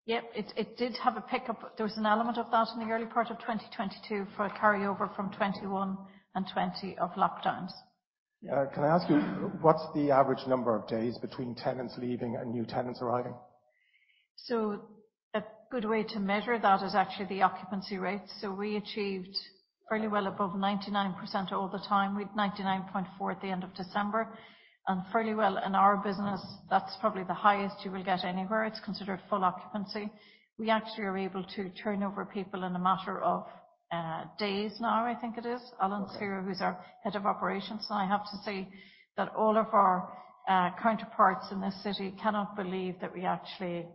Yep. It did have a pickup. There was an element of that in the early part of 2022 for a carryover from 2021 and 2020 of lockdowns. Can I ask you, what's the average number of days between tenants leaving and new tenants arriving? A good way to measure that is actually the occupancy rates. We achieved fairly well above 99% all the time. We had 99.4% at the end of December. Fairly well in our business, that's probably the highest you will get anywhere. It's considered full occupancy. We actually are able to turn over people in a matter of days now, I think it is. Alan's here, who's our head of operations. I have to say that all of our counterparts in this city cannot believe that we actually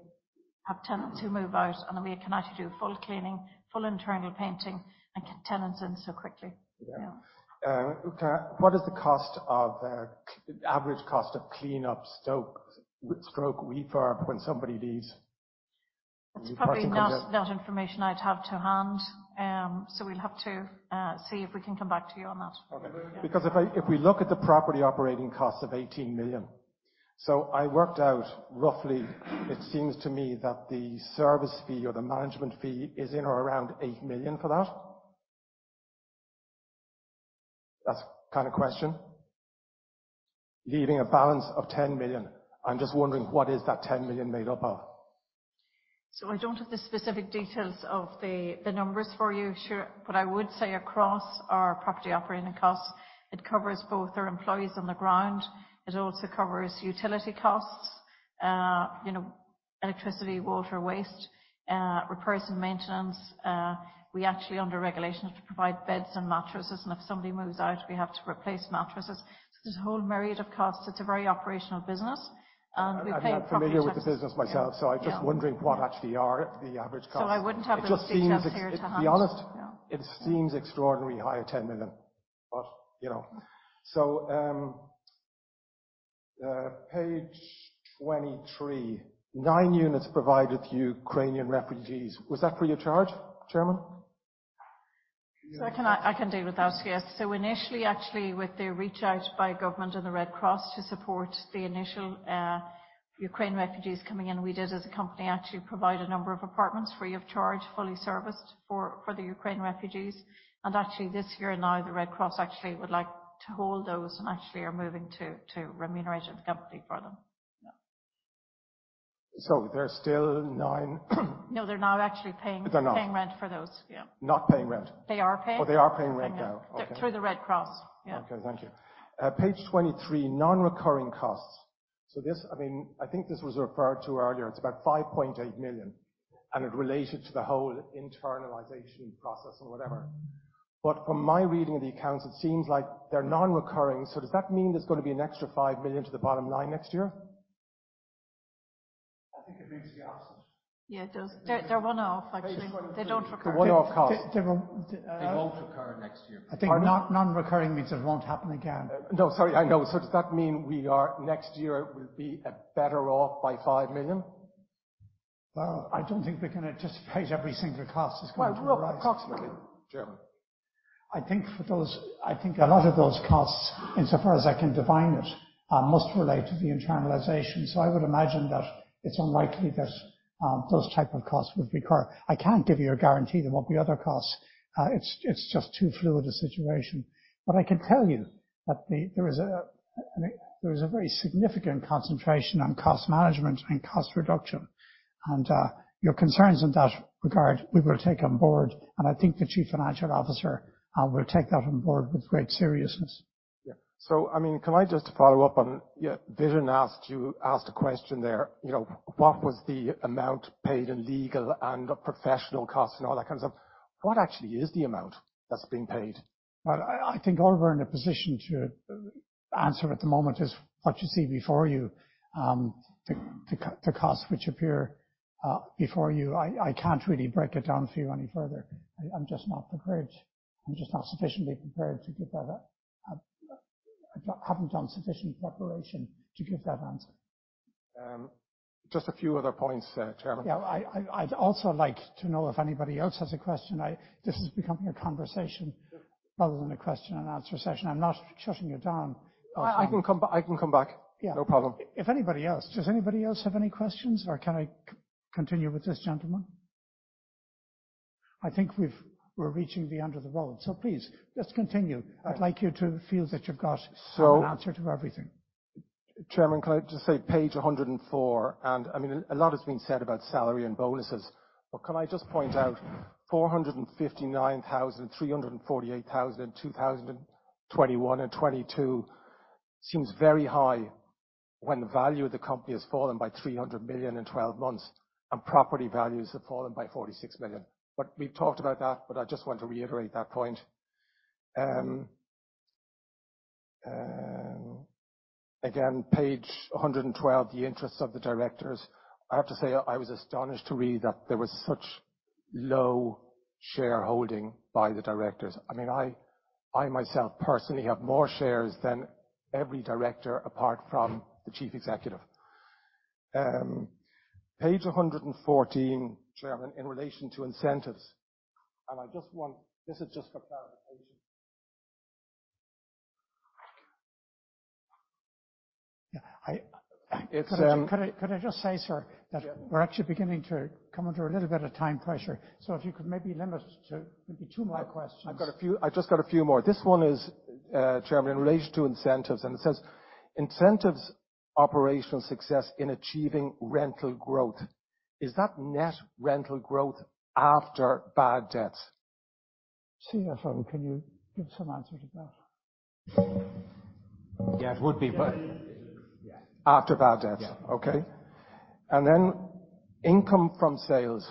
have tenants who move out, and then we can actually do a full cleaning, full internal painting, and get tenants in so quickly. Yeah. Okay. What is the cost of average cost of cleanup stroke refurb when somebody leaves? That's probably not information I'd have to hand. We'll have to see if we can come back to you on that. Because if we look at the property operating costs of 18 million. I worked out roughly, it seems to me that the service fee or the management fee is in or around 8 million for that. That kind of question. Leaving a balance of 10 million. I'm just wondering, what is that 10 million made up of? I don't have the specific details of the numbers for you here, but I would say across our property operating costs, it covers both our employees on the ground. It also covers utility costs, you know, electricity, water, waste, repairs and maintenance. We actually, under regulation, have to provide beds and mattresses, and if somebody moves out, we have to replace mattresses. There's a whole myriad of costs. It's a very operational business, and we pay- I'm not familiar with the business myself, so I'm just wondering what actually are the average costs? I wouldn't have the details here to hand. To be honest. Yeah. -it seems extraordinarily high at 10 million, but, you know. page 23. 9 units provided to Ukrainian refugees. Was that free of charge, chairman? I can deal with that, yes. Initially, actually, with the reach out by government and the Red Cross to support the initial Ukraine refugees coming in, we did as a company actually provide a number of apartments free of charge, fully serviced for the Ukraine refugees. Actually, this year now, the Red Cross actually would like to hold those and actually are moving to remunerating the company for them. Yeah. There are still nine. No, they're now actually paying. They're not. -paying rent for those. Yeah. Not paying rent? They are paying. Oh, they are paying rent now. Yeah. Okay. Through the Red Cross. Yeah. Okay. Thank you. page 23, non-recurring costs. This, I mean, I think this was referred to earlier. It's about 5.8 million, and it related to the whole internalization process or whatever. From my reading of the accounts, it seems like they're non-recurring. Does that mean there's gonna be an extra 5 million to the bottom line next year? I think it means the opposite. Yeah. They're one-off, actually. They don't recur. They're one-off costs. They won't, they. They won't recur next year. I think non-recurring means it won't happen again. No, sorry. I know. Does that mean next year will be better off by 5 million? Well, I don't think we can anticipate every single cost is going to arise. Well, look, Chairman. I think a lot of those costs, insofar as I can define it, must relate to the internalization. I would imagine that it's unlikely that those type of costs would recur. I can't give you a guarantee there won't be other costs. It's just too fluid a situation. I can tell you that there is a very significant concentration on cost management and cost reduction, your concerns in that regard, we will take on board, I think the Chief Financial Officer will take that on board with great seriousness. Yeah. I mean, can I just follow up on, yeah, David asked a question there. You know, what was the amount paid in legal and professional costs and all that kind of stuff? What actually is the amount that's being paid? Well, I think Oliver are in a position to answer at the moment is what you see before you. The costs which appear before you. I can't really break it down for you any further. I'm just not prepared. I'm just not sufficiently prepared to give that, I haven't done sufficient preparation to give that answer. Just a few other points, Chairman. Yeah. I'd also like to know if anybody else has a question. This is becoming a conversation rather than a question and answer session. I'm not shutting you down. I can come back. Yeah. No problem. Does anybody else have any questions, or can I continue with this gentleman? I think we're reaching the end of the road. Please just continue. I'd like you to feel that. So- an answer to everything. Chairman, can I just say page 104. I mean, a lot has been said about salary and bonuses, but can I just point out 459,000, 348,000, 2021 and 2022 seems very high when the value of the company has fallen by 300 million in 12 months and property values have fallen by 46 million. We've talked about that, but I just want to reiterate that point. Again, page 112, the interests of the directors. I have to say, I was astonished to read that there was such low shareholding by the directors. I mean, I myself, personally have more shares than every director apart from the Chief Executive. Page 114, Chairman, in relation to incentives. This is just for clarification. Yeah. I, It's, um- Could I just say. Yeah. That we're actually beginning to come under a little bit of time pressure. If you could maybe limit to maybe 2 more questions. I've just got a few more. This one is, Chairman, in relation to incentives, and it says, "Incentives, operational success in achieving rental growth." Is that net rental growth after bad debts? CFO, can you give some answer to that? Yeah. It would be, but yeah. After bad debts? Yeah. Okay. Income from sales.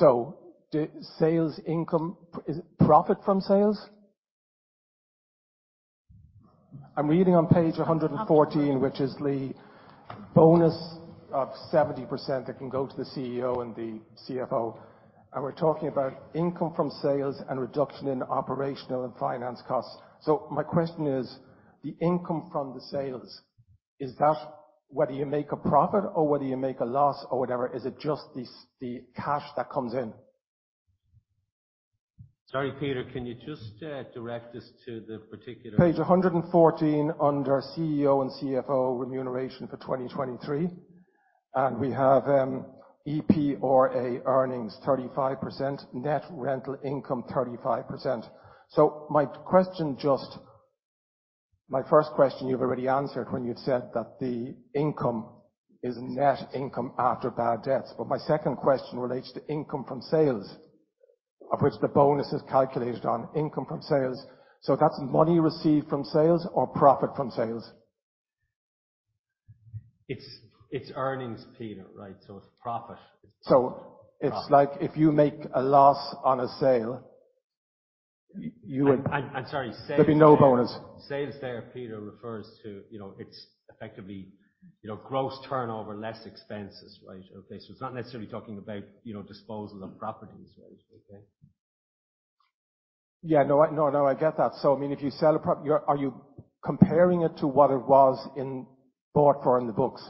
The sales income, is it profit from sales? I'm reading on page 114, which is the bonus of 70% that can go to the CEO and the CFO, and we're talking about income from sales and reduction in operational and finance costs. My question is, the income from the sales, is that whether you make a profit or whether you make a loss or whatever? Is it just the cash that comes in? Sorry, Peter, can you just direct us to the... Page 114 under CEO and CFO remuneration for 2023. We have EPRA earnings 35%, net rental income 35%. My first question, you've already answered when you've said that the income is net income after bad debts. My second question relates to income from sales, of which the bonus is calculated on income from sales. That's money received from sales or profit from sales? It's earnings, Peter, right? It's profit. It's like if you make a loss on a sale, you would- I'm sorry. There'd be no bonus. Sales there, Peter refers to, you know, it's effectively, you know, gross turnover, less expenses, right? Okay. It's not necessarily talking about, you know, disposal of properties. Right. Okay. Yeah. No, I, no, I get that. I mean, if you sell a prop... Are you comparing it to what it was in bought for in the books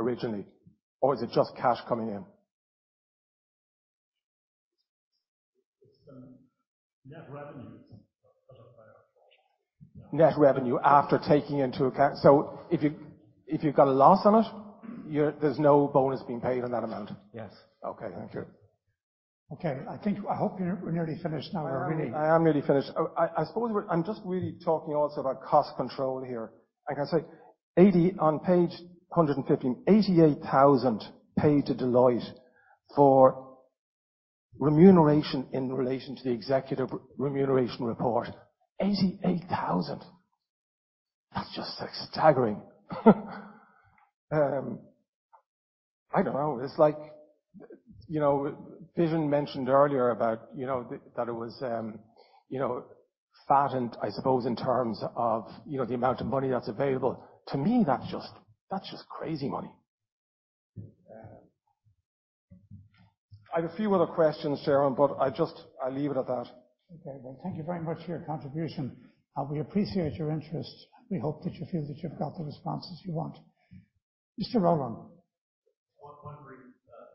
originally, or is it just cash coming in? It's the net revenues. Net revenue after taking into account. If you, if you've got a loss on it, there's no bonus being paid on that amount. Yes. Okay. Thank you. Okay. I think, I hope you're, we're nearly finished now. I am nearly finished. I suppose we're just really talking also about cost control here. Like I say, on page 115, 88,000 paid to Deloitte for remuneration in relation to the executive remuneration report. 88,000. That's just, like, staggering. I don't know. It's like, you know, Vision mentioned earlier about, you know, that it was, you know, fattened, I suppose, in terms of, you know, the amount of money that's available. To me, that's just crazy money. I've a few other questions, Chairman, I just, I'll leave it at that. Thank you very much for your contribution. We appreciate your interest. We hope that you feel that you've got the responses you want. Mr. Olin. One brief,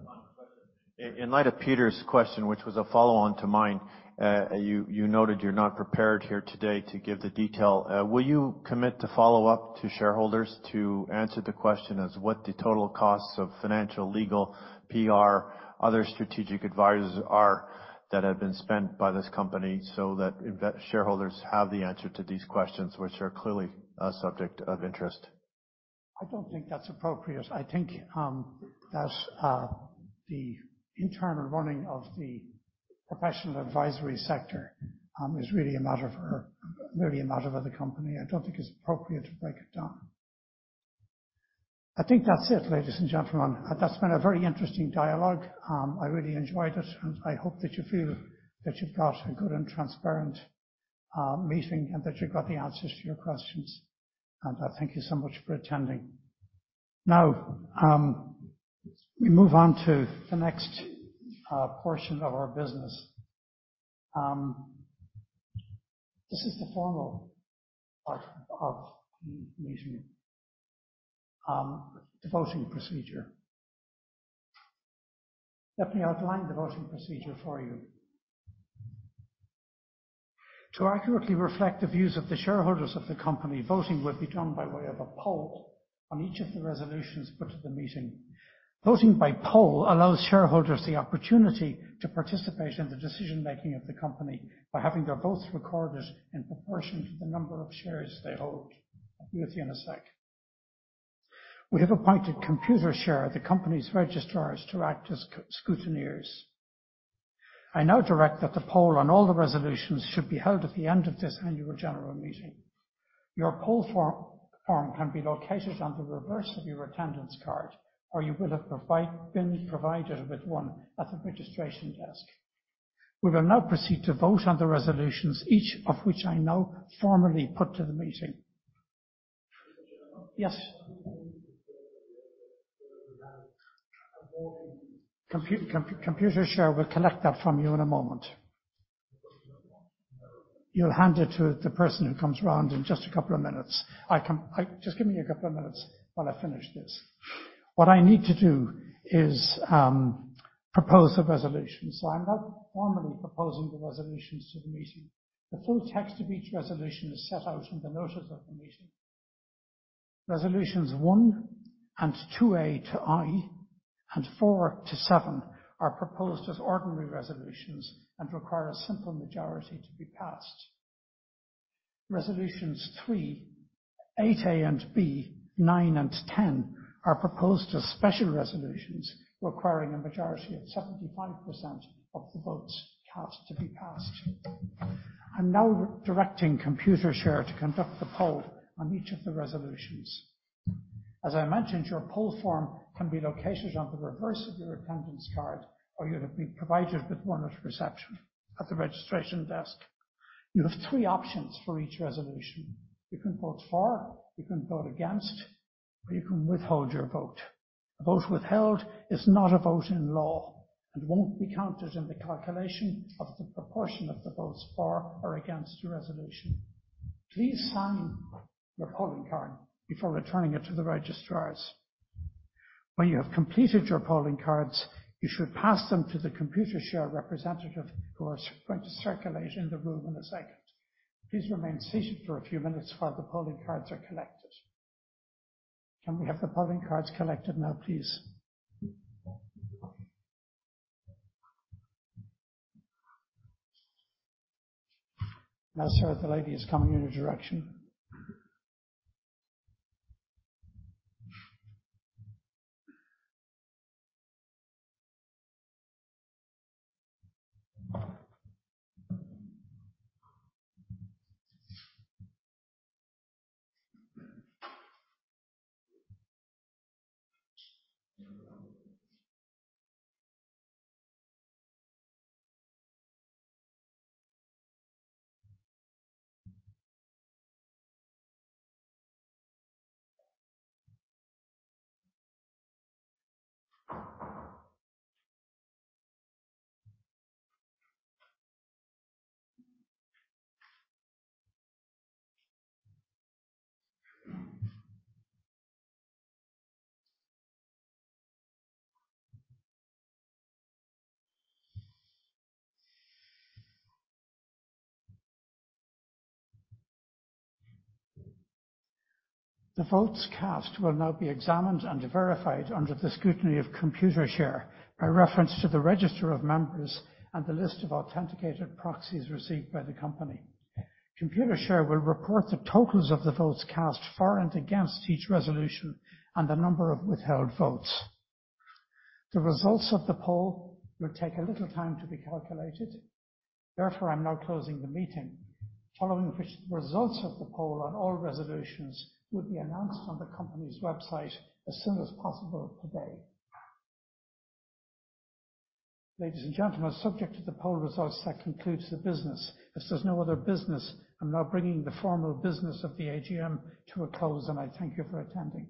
final question. In light of Peter's question, which was a follow on to mine, you noted you're not prepared here today to give the detail. Will you commit to follow up to shareholders to answer the question as what the total costs of financial, legal, PR, other strategic advisors are that have been spent by this company so that shareholders have the answer to these questions, which are clearly a subject of interest? I don't think that's appropriate. I think that the internal running of the professional advisory sector is really a matter for the company. I don't think it's appropriate to break it down. I think that's it, ladies and gentlemen. That's been a very interesting dialogue. I really enjoyed it, and I hope that you feel that you've got a good and transparent meeting and that you got the answers to your questions. Thank you so much for attending. Now, we move on to the next portion of our business. This is the formal part of the meeting. The voting procedure. Let me outline the voting procedure for you. To accurately reflect the views of the shareholders of the company, voting will be done by way of a poll on each of the resolutions put to the meeting. Voting by poll allows shareholders the opportunity to participate in the decision-making of the company by having their votes recorded in proportion to the number of shares they hold. I'll be with you in a sec. We have appointed Computershare, the company's registrars, to act as scrutineers. I now direct that the poll on all the resolutions should be held at the end of this annual general meeting. Your poll form can be located on the reverse of your attendance card, or you will have been provided with one at the registration desk. We will now proceed to vote on the resolutions, each of which I now formally put to the meeting. Mr. Chairman? Yes. Computershare will collect that from you in a moment. You'll hand it to the person who comes round in just a couple of minutes. Just give me a couple of minutes while I finish this. What I need to do is propose the resolution. I'm now formally proposing the resolutions to the meeting. The full text of each resolution is set out in the notice of the meeting. Resolutions 1 and 2 A to I and 4 to 7 are proposed as ordinary resolutions and require a simple majority to be passed. Resolutions 3, 8 A and B, 9 and 10 are proposed as special resolutions requiring a majority of 75% of the votes cast to be passed. I'm now directing Computershare to conduct the poll on each of the resolutions. As I mentioned, your poll form can be located on the reverse of your attendance card, or you'll have been provided with one at reception at the registration desk. You have three options for each resolution: you can vote for, you can vote against, or you can withhold your vote. A vote withheld is not a vote in law and won't be counted in the calculation of the proportion of the votes for or against the resolution. Please sign your polling card before returning it to the registrars. When you have completed your polling cards, you should pass them to the Computershare representative who are going to circulate in the room in a second. Please remain seated for a few minutes while the polling cards are collected. Can we have the polling cards collected now, please? Now, sir, the lady is coming in your direction. The votes cast will now be examined and verified under the scrutiny of Computershare by reference to the register of members and the list of authenticated proxies received by the company. Computershare will report the totals of the votes cast for and against each resolution and the number of withheld votes. The results of the poll will take a little time to be calculated. I'm now closing the meeting. Following which, the results of the poll on all resolutions will be announced on the company's website as soon as possible today. Ladies and gentlemen, subject to the poll results, that concludes the business. There's no other business, I'm now bringing the formal business of the AGM to a close, and I thank you for attending.